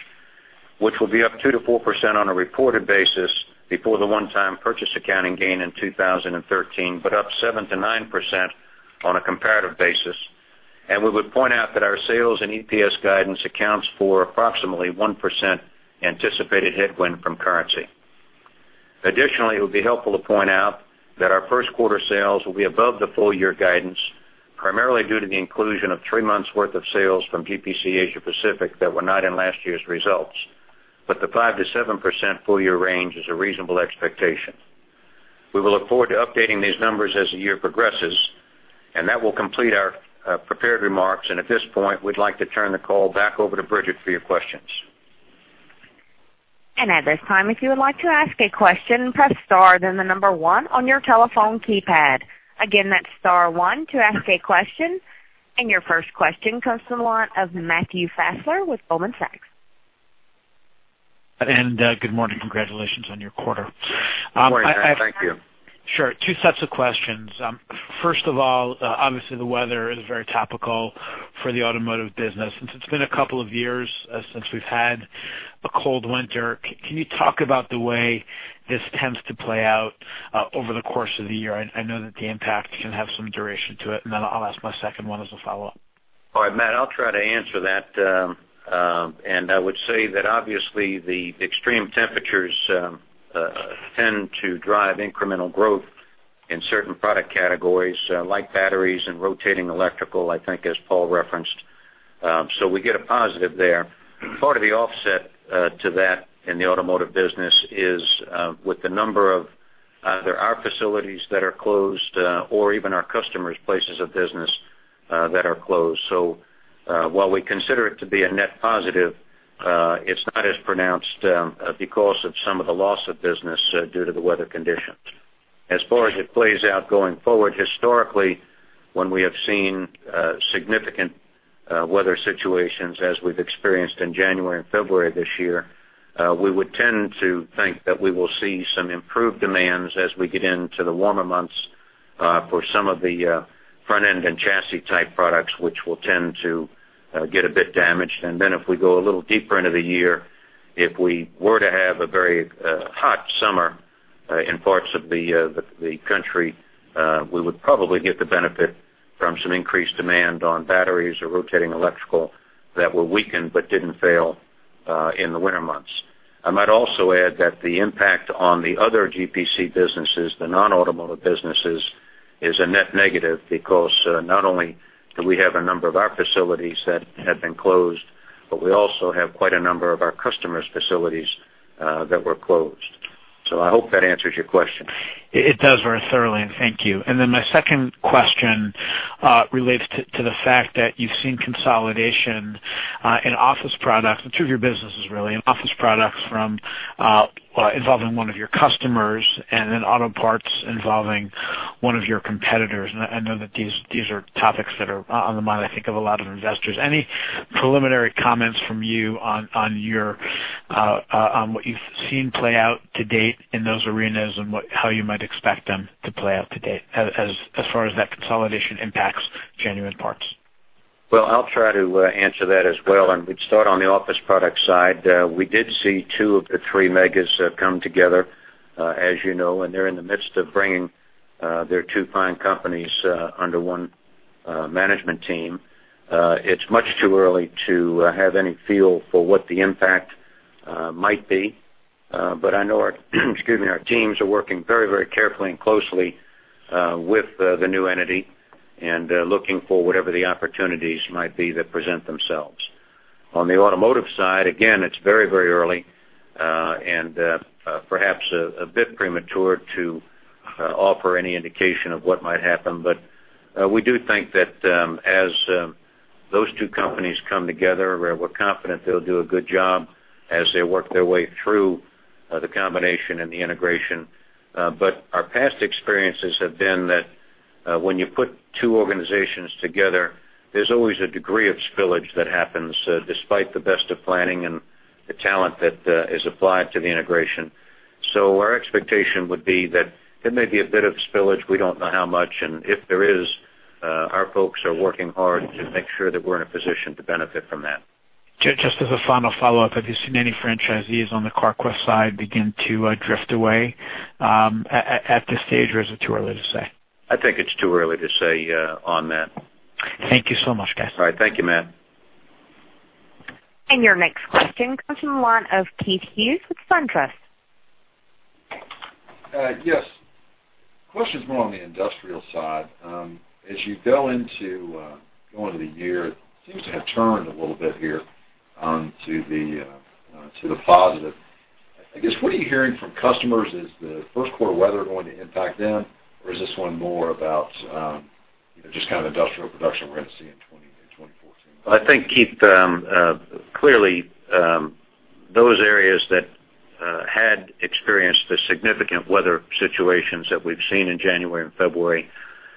which will be up 2%-4% on a reported basis before the one-time purchase accounting gain in 2013, up 7%-9% on a comparative basis. We would point out that our sales and EPS guidance accounts for approximately 1% anticipated headwind from currency. Additionally, it would be helpful to point out that our first quarter sales will be above the full-year guidance, primarily due to the inclusion of three months' worth of sales from GPC Asia Pacific that were not in last year's results. The 5%-7% full-year range is a reasonable expectation. We will look forward to updating these numbers as the year progresses, that will complete our prepared remarks. At this point, we'd like to turn the call back over to Bridget for your questions. At this time, if you would like to ask a question, press star then the number one on your telephone keypad. Again, that's star one to ask a question. Your first question comes from the line of Matthew Fassler with Goldman Sachs. Good morning. Congratulations on your quarter. Good morning, Matt. Thank you. Sure. Two sets of questions. First of all, obviously, the weather is very topical for the automotive business. Since it's been a couple of years since we've had a cold winter, can you talk about the way this tends to play out over the course of the year? I know that the impact can have some duration to it, then I'll ask my second one as a follow-up. All right, Matt, I'll try to answer that. I would say that obviously the extreme temperatures tend to drive incremental growth in certain product categories like batteries and rotating electrical, I think, as Paul referenced. We get a positive there. Part of the offset to that in the automotive business is with the number of either our facilities that are closed or even our customers' places of business that are closed. While we consider it to be a net positive, it's not as pronounced because of some of the loss of business due to the weather conditions. As far as it plays out going forward, historically, when we have seen significant weather situations as we've experienced in January and February this year, we would tend to think that we will see some improved demands as we get into the warmer months for some of the front-end and chassis type products, which will tend to get a bit damaged. If we go a little deeper into the year, if we were to have a very hot summer in parts of the country, we would probably get the benefit from some increased demand on batteries or rotating electrical that were weakened but didn't fail in the winter months. I might also add that the impact on the other GPC businesses, the non-automotive businesses, is a net negative because not only do we have a number of our facilities that have been closed, but we also have quite a number of our customers' facilities that were closed. I hope that answers your question. It does very thoroughly, and thank you. My second question relates to the fact that you've seen consolidation in office products, in two of your businesses really, in office products involving one of your customers, then auto parts involving one of your competitors. I know that these are topics that are on the mind, I think, of a lot of investors. Any preliminary comments from you on what you've seen play out to date in those arenas and how you might expect them to play out to date, as far as that consolidation impacts Genuine Parts? I'll try to answer that as well. We'd start on the office product side. We did see two of the three megas come together, as you know, and they're in the midst of bringing their two fine companies under one management team. It's much too early to have any feel for what the impact might be. I know our teams are working very carefully and closely with the new entity and looking for whatever the opportunities might be that present themselves. On the automotive side, again, it's very early and perhaps a bit premature to offer any indication of what might happen. We do think that as those two companies come together, we're confident they'll do a good job as they work their way through the combination and the integration. Our past experiences have been that when you put two organizations together, there's always a degree of spillage that happens, despite the best of planning and the talent that is applied to the integration. Our expectation would be that there may be a bit of spillage. We don't know how much, and if there is, our folks are working hard to make sure that we're in a position to benefit from that. Just as a final follow-up, have you seen any franchisees on the Carquest side begin to drift away at this stage, or is it too early to say? I think it's too early to say on that. Thank you so much, guys. All right. Thank you, Matt. Your next question comes from the line of Keith Hughes with SunTrust. Yes. Question's more on the industrial side. As you go into the year, it seems to have turned a little bit here to the positive. I guess, what are you hearing from customers? Is the first quarter weather going to impact them, or is this one more about just kind of industrial production we're going to see in 2014? I think, Keith, clearly, those areas that had experienced the significant weather situations that we've seen in January and February,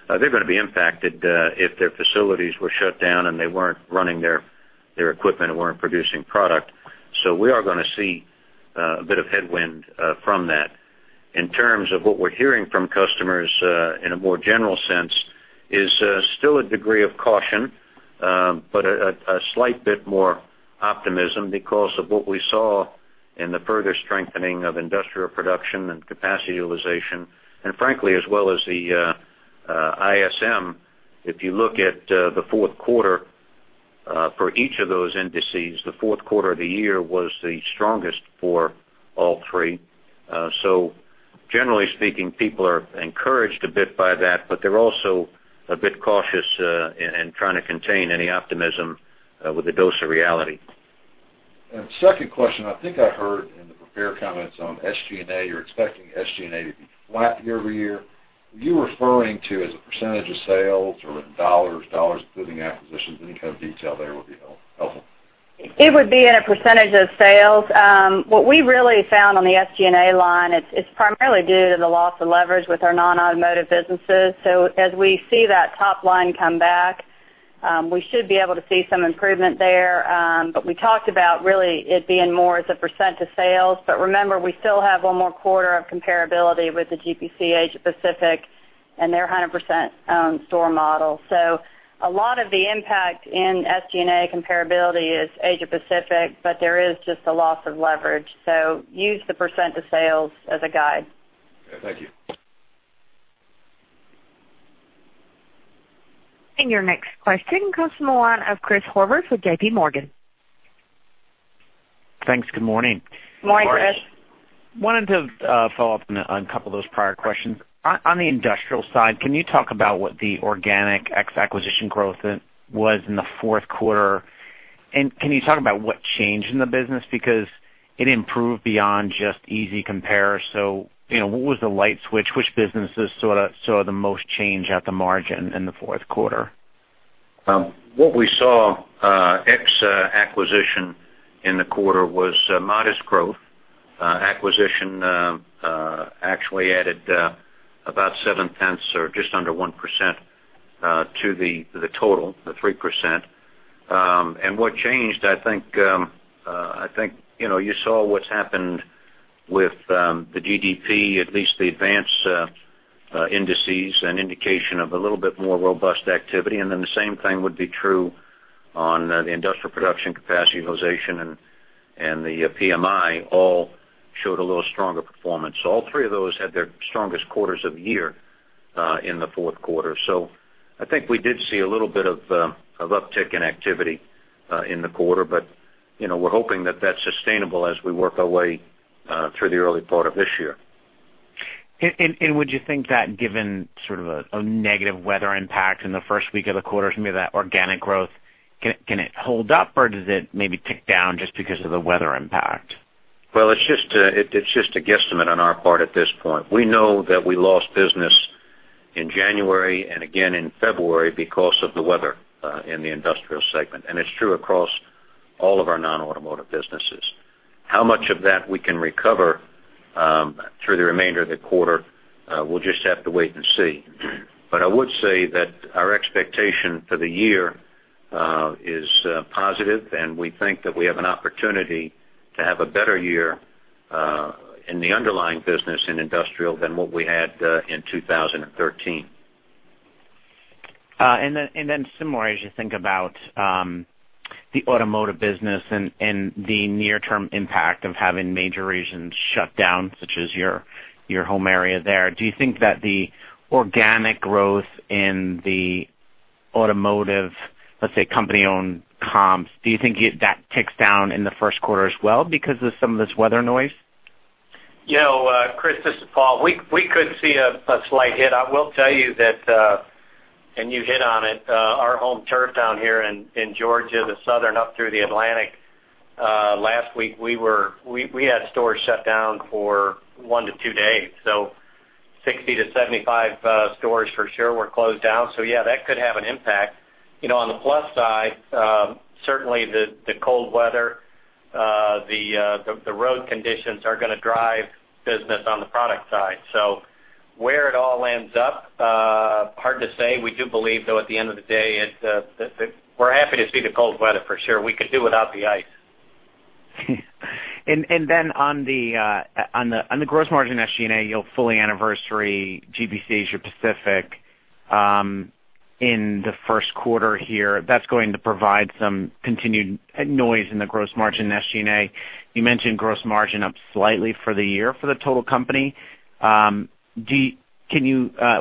they're going to be impacted if their facilities were shut down and they weren't running their equipment and weren't producing product. We are going to see a bit of headwind from that. In terms of what we're hearing from customers in a more general sense is still a degree of caution, but a slight bit more optimism because of what we saw in the further strengthening of industrial production and capacity utilization. Frankly, as well as the ISM. If you look at the fourth quarter for each of those indices, the fourth quarter of the year was the strongest for all three. Generally speaking, people are encouraged a bit by that, but they're also a bit cautious in trying to contain any optimism with a dose of reality. Second question, I think I heard in the prepared comments on SG&A, you're expecting SG&A to be flat year-over-year. Were you referring to as a percentage of sales or in dollars, including acquisitions? Any kind of detail there would be helpful. It would be in a percentage of sales. What we really found on the SG&A line, it's primarily due to the loss of leverage with our non-automotive businesses. As we see that top line come back, we should be able to see some improvement there. We talked about really it being more as a percent of sales. Remember, we still have one more quarter of comparability with the GPC Asia Pacific and their 100% owned store model. A lot of the impact in SG&A comparability is Asia Pacific, but there is just a loss of leverage. Use the percent of sales as a guide. Okay. Thank you. Your next question comes from the line of Chris Horvers with JPMorgan. Thanks. Good morning. Good morning, Chris. Wanted to follow up on a couple of those prior questions. On the industrial side, can you talk about what the organic ex acquisition growth was in the fourth quarter, and can you talk about what changed in the business? Because it improved beyond just easy compare. What was the light switch? Which businesses saw the most change at the margin in the fourth quarter? What we saw ex acquisition in the quarter was modest growth. Acquisition actually added about seven tenths or just under 1% to the total, the 3%. What changed, I think you saw what's happened with the GDP, at least the advanced indices, an indication of a little bit more robust activity. The same thing would be true on the industrial production capacity utilization and the PMI, all showed a little stronger performance. All three of those had their strongest quarters of the year in the fourth quarter. I think we did see a little bit of uptick in activity in the quarter. We're hoping that's sustainable as we work our way through the early part of this year. Would you think that given sort of a negative weather impact in the first week of the quarter, some of that organic growth, can it hold up or does it maybe tick down just because of the weather impact? It's just a guesstimate on our part at this point. We know that we lost business in January and again in February because of the weather in the industrial segment. It's true across all of our non-automotive businesses. How much of that we can recover through the remainder of the quarter, we'll just have to wait and see. I would say that our expectation for the year is positive, and we think that we have an opportunity to have a better year in the underlying business in industrial than what we had in 2013. Then similar, as you think about the automotive business and the near-term impact of having major regions shut down, such as your home area there, do you think that the organic growth in the automotive, let's say, company-owned comps, do you think that ticks down in the first quarter as well because of some of this weather noise? Chris, this is Paul. We could see a slight hit. I will tell you that, and you hit on it, our home turf down here in Georgia, the southern up through the Atlantic, last week, we had stores shut down for one to two days. 60 to 75 stores for sure were closed down. Yeah, that could have an impact. On the plus side, certainly the cold weather, the road conditions are going to drive business on the product side. Where it all ends up, hard to say. We do believe, though, at the end of the day, we're happy to see the cold weather for sure. We could do without the ice. Then on the gross margin SG&A, you'll fully anniversary GPC Asia Pacific in the first quarter here. That's going to provide some continued noise in the gross margin SG&A. You mentioned gross margin up slightly for the year for the total company.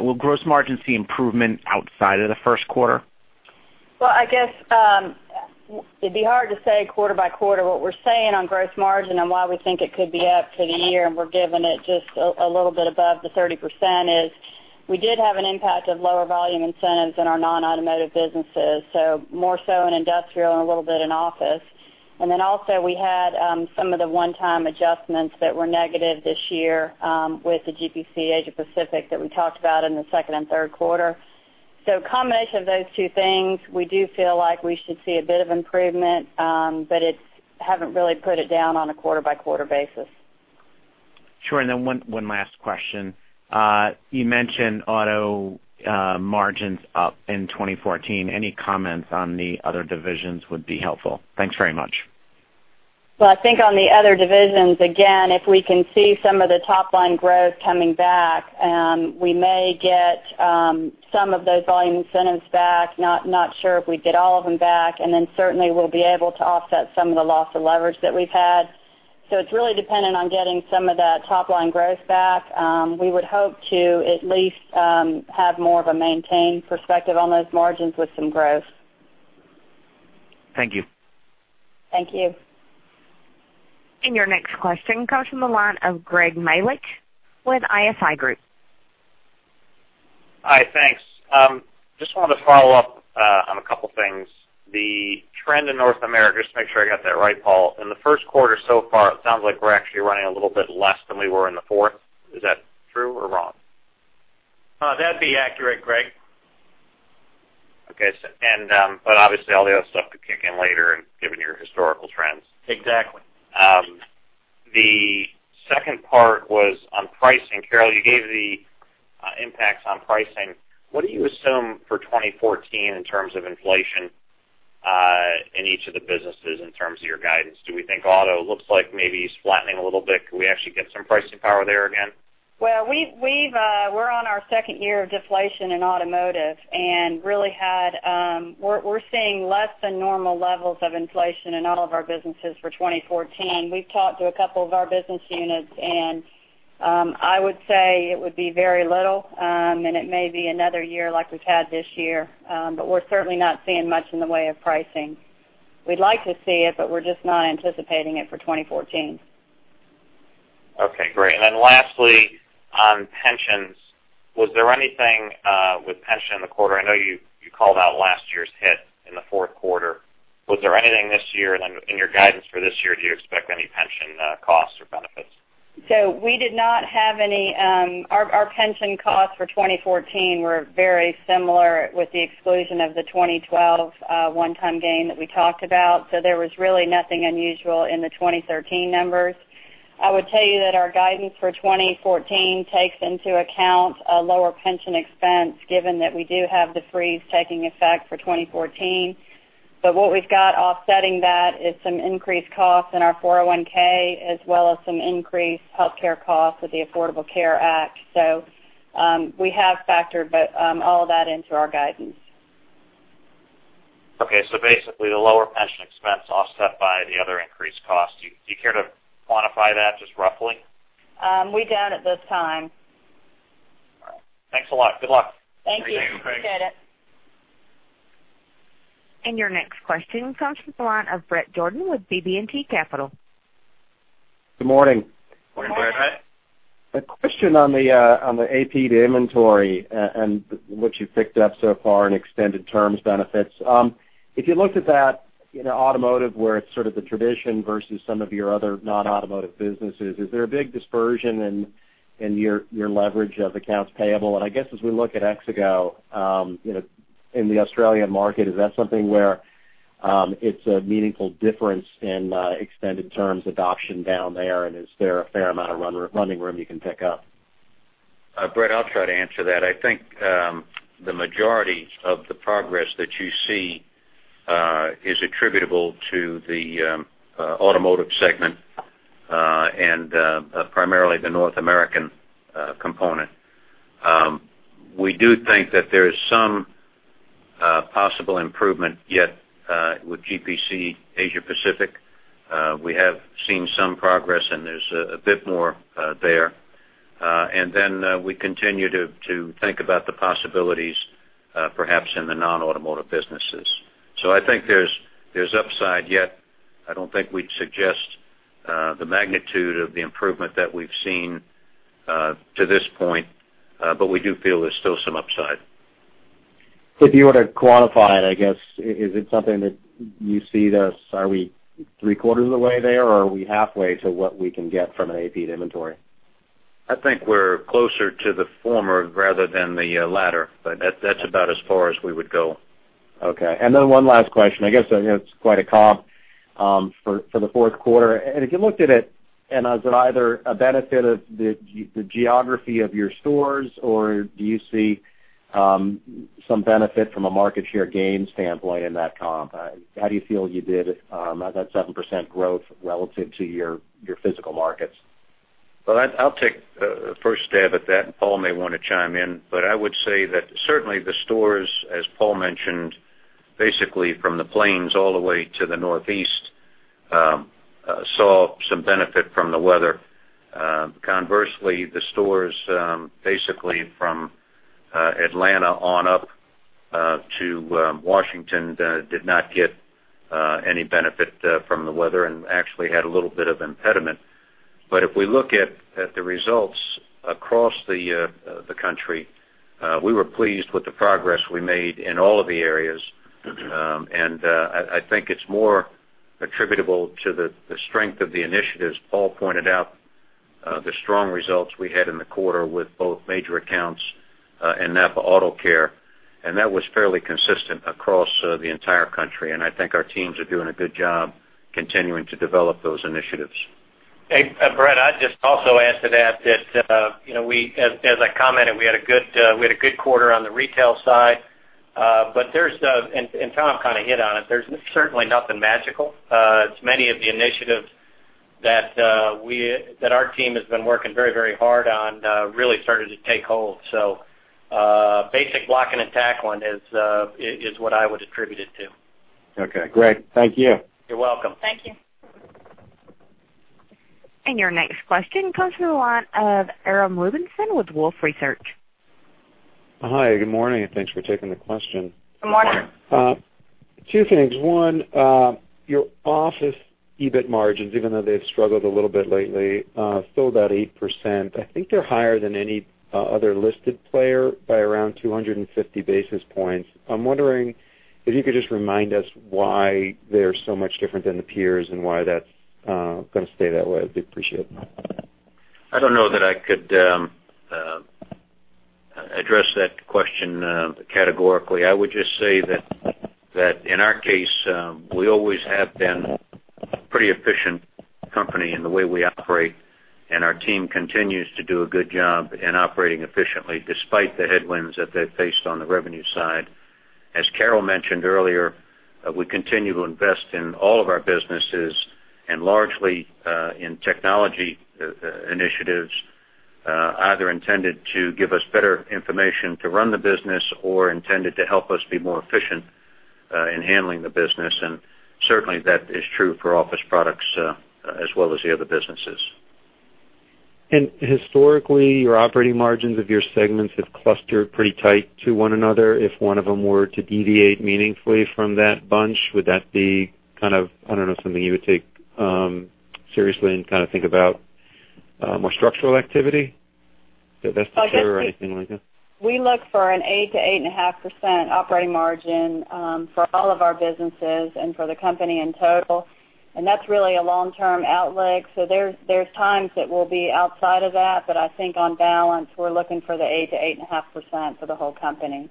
Will gross margin see improvement outside of the first quarter? Well, I guess, it'd be hard to say quarter by quarter. What we're saying on gross margin and why we think it could be up for the year, and we're giving it just a little bit above the 30%, is we did have an impact of lower volume incentives in our non-automotive businesses, so more so in industrial and a little bit in office. Also we had some of the one-time adjustments that were negative this year with the GPC Asia Pacific that we talked about in the second and third quarter. Combination of those two things, we do feel like we should see a bit of improvement, but haven't really put it down on a quarter-by-quarter basis. Sure. One last question. You mentioned auto margins up in 2014. Any comments on the other divisions would be helpful. Thanks very much. Well, I think on the other divisions, again, if we can see some of the top-line growth coming back, we may get some of those volume incentives back. Not sure if we'd get all of them back. Certainly we'll be able to offset some of the loss of leverage that we've had. It's really dependent on getting some of that top-line growth back. We would hope to at least have more of a maintained perspective on those margins with some growth. Thank you. Thank you. Your next question comes from the line of Greg Melich with ISI Group. Hi, thanks. Just wanted to follow up on a couple things. The trend in North America, just to make sure I got that right, Paul. In the first quarter so far, it sounds like we're actually running a little bit less than we were in the fourth. Is that true or wrong? That'd be accurate, Greg. Okay. Obviously all the other stuff could kick in later given your historical trends. Exactly. The second part was on pricing. Carol, you gave the impacts on pricing. What do you assume for 2014 in terms of inflation in each of the businesses, in terms of your guidance? Do we think auto looks like maybe it's flattening a little bit? Could we actually get some pricing power there again? Well, we're on our second year of deflation in automotive and we're seeing less than normal levels of inflation in all of our businesses for 2014. We've talked to a couple of our business units, and I would say it would be very little, and it may be another year like we've had this year. We're certainly not seeing much in the way of pricing. We'd like to see it, but we're just not anticipating it for 2014. Okay, great. Lastly, on pensions, was there anything with pension in the quarter? I know you called out last year's hit in the fourth quarter. Was there anything this year? In your guidance for this year, do you expect any pension costs or benefits? We did not have any. Our pension costs for 2014 were very similar with the exclusion of the 2012 one-time gain that we talked about. There was really nothing unusual in the 2013 numbers. I would tell you that our guidance for 2014 takes into account a lower pension expense, given that we do have the freeze taking effect for 2014. What we've got offsetting that is some increased costs in our 401(k), as well as some increased healthcare costs with the Affordable Care Act. We have factored all of that into our guidance. Okay. Basically, the lower pension expense offset by the other increased cost. Do you care to quantify that, just roughly? We don't at this time. All right. Thanks a lot. Good luck. Thank you. Thank you. Appreciate it. Your next question comes from the line of Bret Jordan with BB&T Capital. Good morning. Morning, Bret. A question on the AP to inventory and what you've picked up so far in extended terms benefits. If you looked at that in automotive, where it's sort of the tradition versus some of your other non-automotive businesses, is there a big dispersion in your leverage of accounts payable? I guess as we look at Exego in the Australian market, is that something where it's a meaningful difference in extended terms adoption down there? Is there a fair amount of running room you can pick up? Bret, I'll try to answer that. I think the majority of the progress that you see is attributable to the automotive segment, and primarily the North American component. We do think that there is some possible improvement yet with GPC Asia Pacific. We have seen some progress, and there's a bit more there. Then we continue to think about the possibilities perhaps in the non-automotive businesses. I think there's upside yet. I don't think we'd suggest the magnitude of the improvement that we've seen to this point, but we do feel there's still some upside. If you were to quantify it, I guess, is it something that you see this, are we three-quarters of the way there, or are we halfway to what we can get from an AP to inventory? I think we're closer to the former rather than the latter, but that's about as far as we would go. Okay. Then one last question. I guess it's quite a comp for the fourth quarter. If you looked at it, is it either a benefit of the geography of your stores, or do you see some benefit from a market share gain standpoint in that comp? How do you feel you did at that 7% growth relative to your physical markets? Well, I'll take a first stab at that, and Paul may want to chime in. I would say that certainly the stores, as Paul mentioned, basically from the plains all the way to the Northeast, saw some benefit from the weather. Conversely, the stores basically from Atlanta on up to Washington did not get any benefit from the weather and actually had a little bit of impediment. If we look at the results across the country, we were pleased with the progress we made in all of the areas. I think it's more attributable to the strength of the initiatives. Paul pointed out the strong results we had in the quarter with both major accounts and NAPA AutoCare, and that was fairly consistent across the entire country, and I think our teams are doing a good job continuing to develop those initiatives. Hey, Bret, I'd just also add to that, as I commented, we had a good quarter on the retail side. Tom kind of hit on it, there's certainly nothing magical. It's many of the initiatives that our team has been working very hard on really starting to take hold. Basic blocking and tackling is what I would attribute it to. Okay, great. Thank you. You're welcome. Thank you. Your next question comes from the line of Aram Rubinson with Wolfe Research. Hi, good morning, thanks for taking the question. Good morning. Two things. One, your office EBIT margins, even though they've struggled a little bit lately, still about 8%. I think they're higher than any other listed player by around 250 basis points. I'm wondering if you could just remind us why they're so much different than the peers and why that's going to stay that way. I'd appreciate that. I don't know that I could address that question categorically. I would just say that in our case, we always have been a pretty efficient company in the way we operate, and our team continues to do a good job in operating efficiently despite the headwinds that they've faced on the revenue side. As Carol mentioned earlier, we continue to invest in all of our businesses and largely in technology initiatives, either intended to give us better information to run the business or intended to help us be more efficient in handling the business. Certainly that is true for office products as well as the other businesses. Historically, your operating margins of your segments have clustered pretty tight to one another. If one of them were to deviate meaningfully from that bunch, would that be kind of, I don't know, something you would take seriously and kind of think about more structural activity? Investiture or anything like that? We look for an 8% to 8.5% operating margin for all of our businesses and for the company in total, and that's really a long-term outlook. There's times that we'll be outside of that, but I think on balance, we're looking for the 8% to 8.5% for the whole company.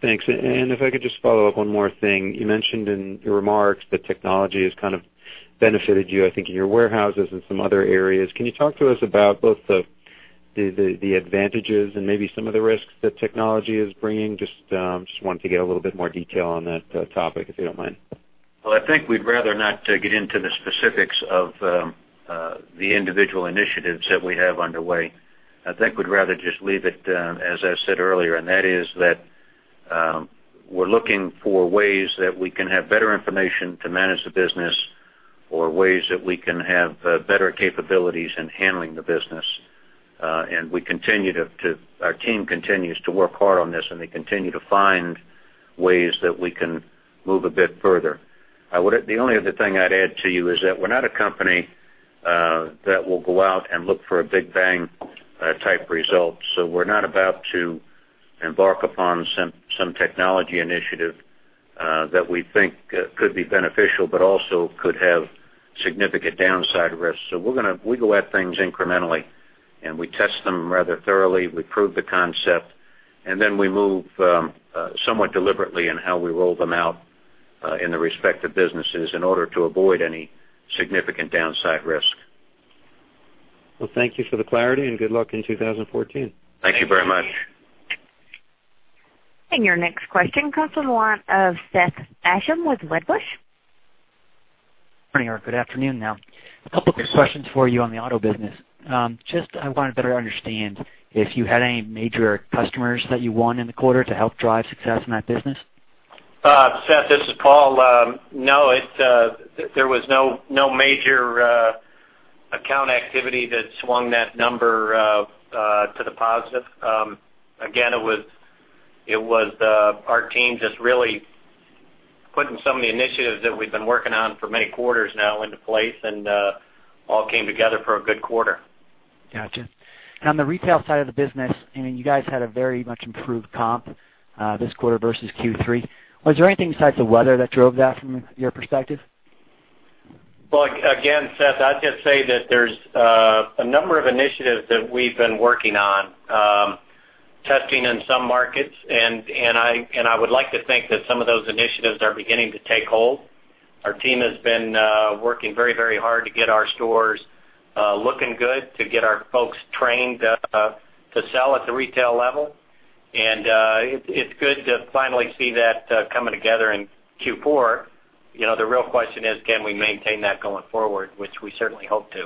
Thanks. If I could just follow up one more thing. You mentioned in your remarks that technology has kind of benefited you, I think, in your warehouses and some other areas. Can you talk to us about both the advantages and maybe some of the risks that technology is bringing? Just wanted to get a little bit more detail on that topic, if you don't mind. Well, I think we'd rather not get into the specifics of the individual initiatives that we have underway. I think we'd rather just leave it, as I said earlier, and that is that we're looking for ways that we can have better information to manage the business or ways that we can have better capabilities in handling the business. Our team continues to work hard on this, and they continue to find ways that we can move a bit further. The only other thing I'd add to you is that we're not a company that will go out and look for a big bang type result. We're not about to embark upon some technology initiative that we think could be beneficial, but also could have significant downside risks. We go at things incrementally, and we test them rather thoroughly. We prove the concept, we move somewhat deliberately in how we roll them out in the respective businesses in order to avoid any significant downside risk. Well, thank you for the clarity and good luck in 2014. Thank you very much. Your next question comes from the line of Seth Basham with Wedbush. Good afternoon. A couple quick questions for you on the auto business. I wanted to better understand if you had any major customers that you won in the quarter to help drive success in that business. Seth, this is Paul. There was no major account activity that swung that number to the positive. It was our team just really putting some of the initiatives that we've been working on for many quarters now into place, and all came together for a good quarter. Got you. On the retail side of the business, you guys had a very much improved comp this quarter versus Q3. Was there anything besides the weather that drove that from your perspective? Well, again, Seth, I'd just say that there's a number of initiatives that we've been working on, testing in some markets. I would like to think that some of those initiatives are beginning to take hold. Our team has been working very hard to get our stores looking good, to get our folks trained to sell at the retail level. It's good to finally see that coming together in Q4. The real question is, can we maintain that going forward, which we certainly hope to.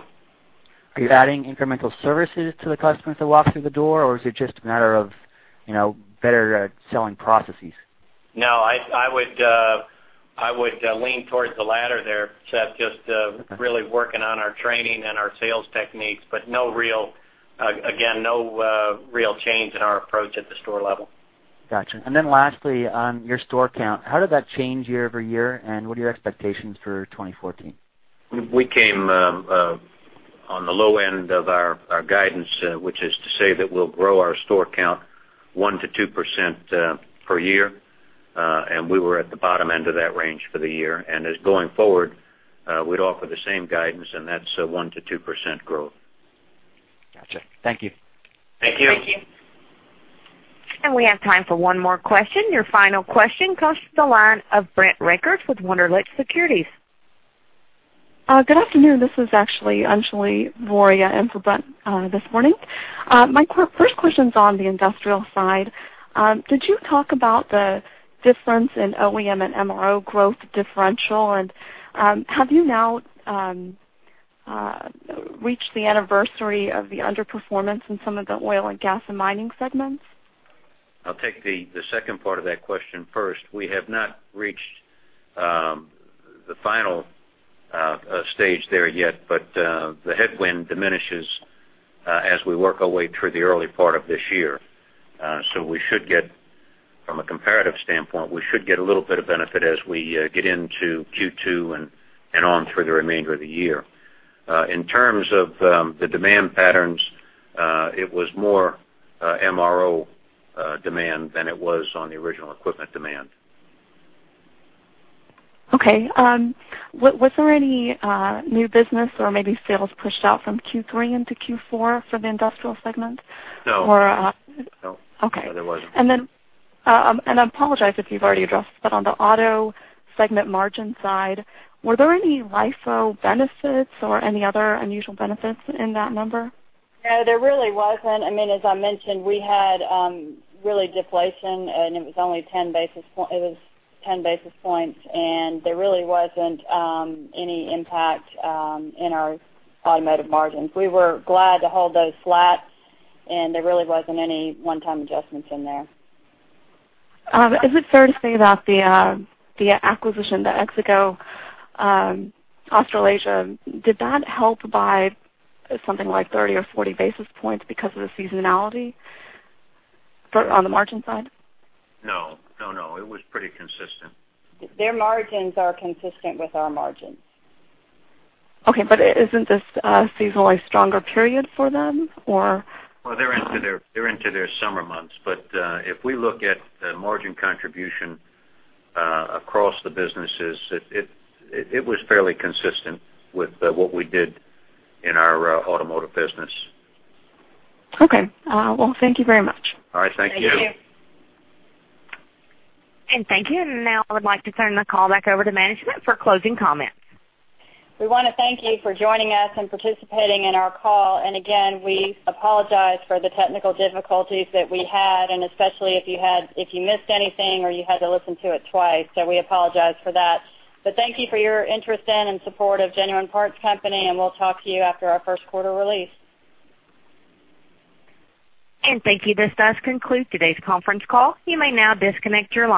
Are you adding incremental services to the customers that walk through the door, or is it just a matter of better selling processes? No, I would lean towards the latter there, Seth, just really working on our training and our sales techniques. Again, no real change in our approach at the store level. Got you. Then lastly, on your store count, how did that change year-over-year? What are your expectations for 2014? We came on the low end of our guidance, which is to say that we'll grow our store count 1% to 2% per year, and we were at the bottom end of that range for the year. As going forward, we'd offer the same guidance, and that's a 1% to 2% growth. Got you. Thank you. Thank you. We have time for one more question. Your final question comes to the line of [Brent Reiker] with Wunderlich Securities. Good afternoon. This is actually Anjali Voria in for Brent this morning. My first question's on the industrial side. Could you talk about the difference in OEM and MRO growth differential? Have you now reached the anniversary of the underperformance in some of the oil and gas and mining segments? I'll take the second part of that question first. We have not reached the final stage there yet, but the headwind diminishes as we work our way through the early part of this year. From a comparative standpoint, we should get a little bit of benefit as we get into Q2 and on through the remainder of the year. In terms of the demand patterns, it was more MRO demand than it was on the original equipment demand. Okay. Was there any new business or maybe sales pushed out from Q3 into Q4 for the industrial segment? No. Okay. No, there wasn't. I apologize if you've already addressed this, but on the auto segment margin side, were there any LIFO benefits or any other unusual benefits in that number? No, there really wasn't. As I mentioned, we had really deflation, it was 10 basis points, there really wasn't any impact in our automotive margins. We were glad to hold those flat, there really wasn't any one-time adjustments in there. Is it fair to say that the acquisition, the Exego Australasia, did that help by something like 30 or 40 basis points because of the seasonality on the margin side? No. It was pretty consistent. Their margins are consistent with our margins. Isn't this a seasonally stronger period for them or? They're into their summer months, but if we look at the margin contribution across the businesses, it was fairly consistent with what we did in our automotive business. Thank you very much. All right. Thank you. Thank you. Thank you. Now I would like to turn the call back over to management for closing comments. We want to thank you for joining us and participating in our call. Again, we apologize for the technical difficulties that we had, and especially if you missed anything or you had to listen to it twice. We apologize for that. Thank you for your interest in and support of Genuine Parts Company, and we'll talk to you after our first quarter release. Thank you. This does conclude today's conference call. You may now disconnect your line.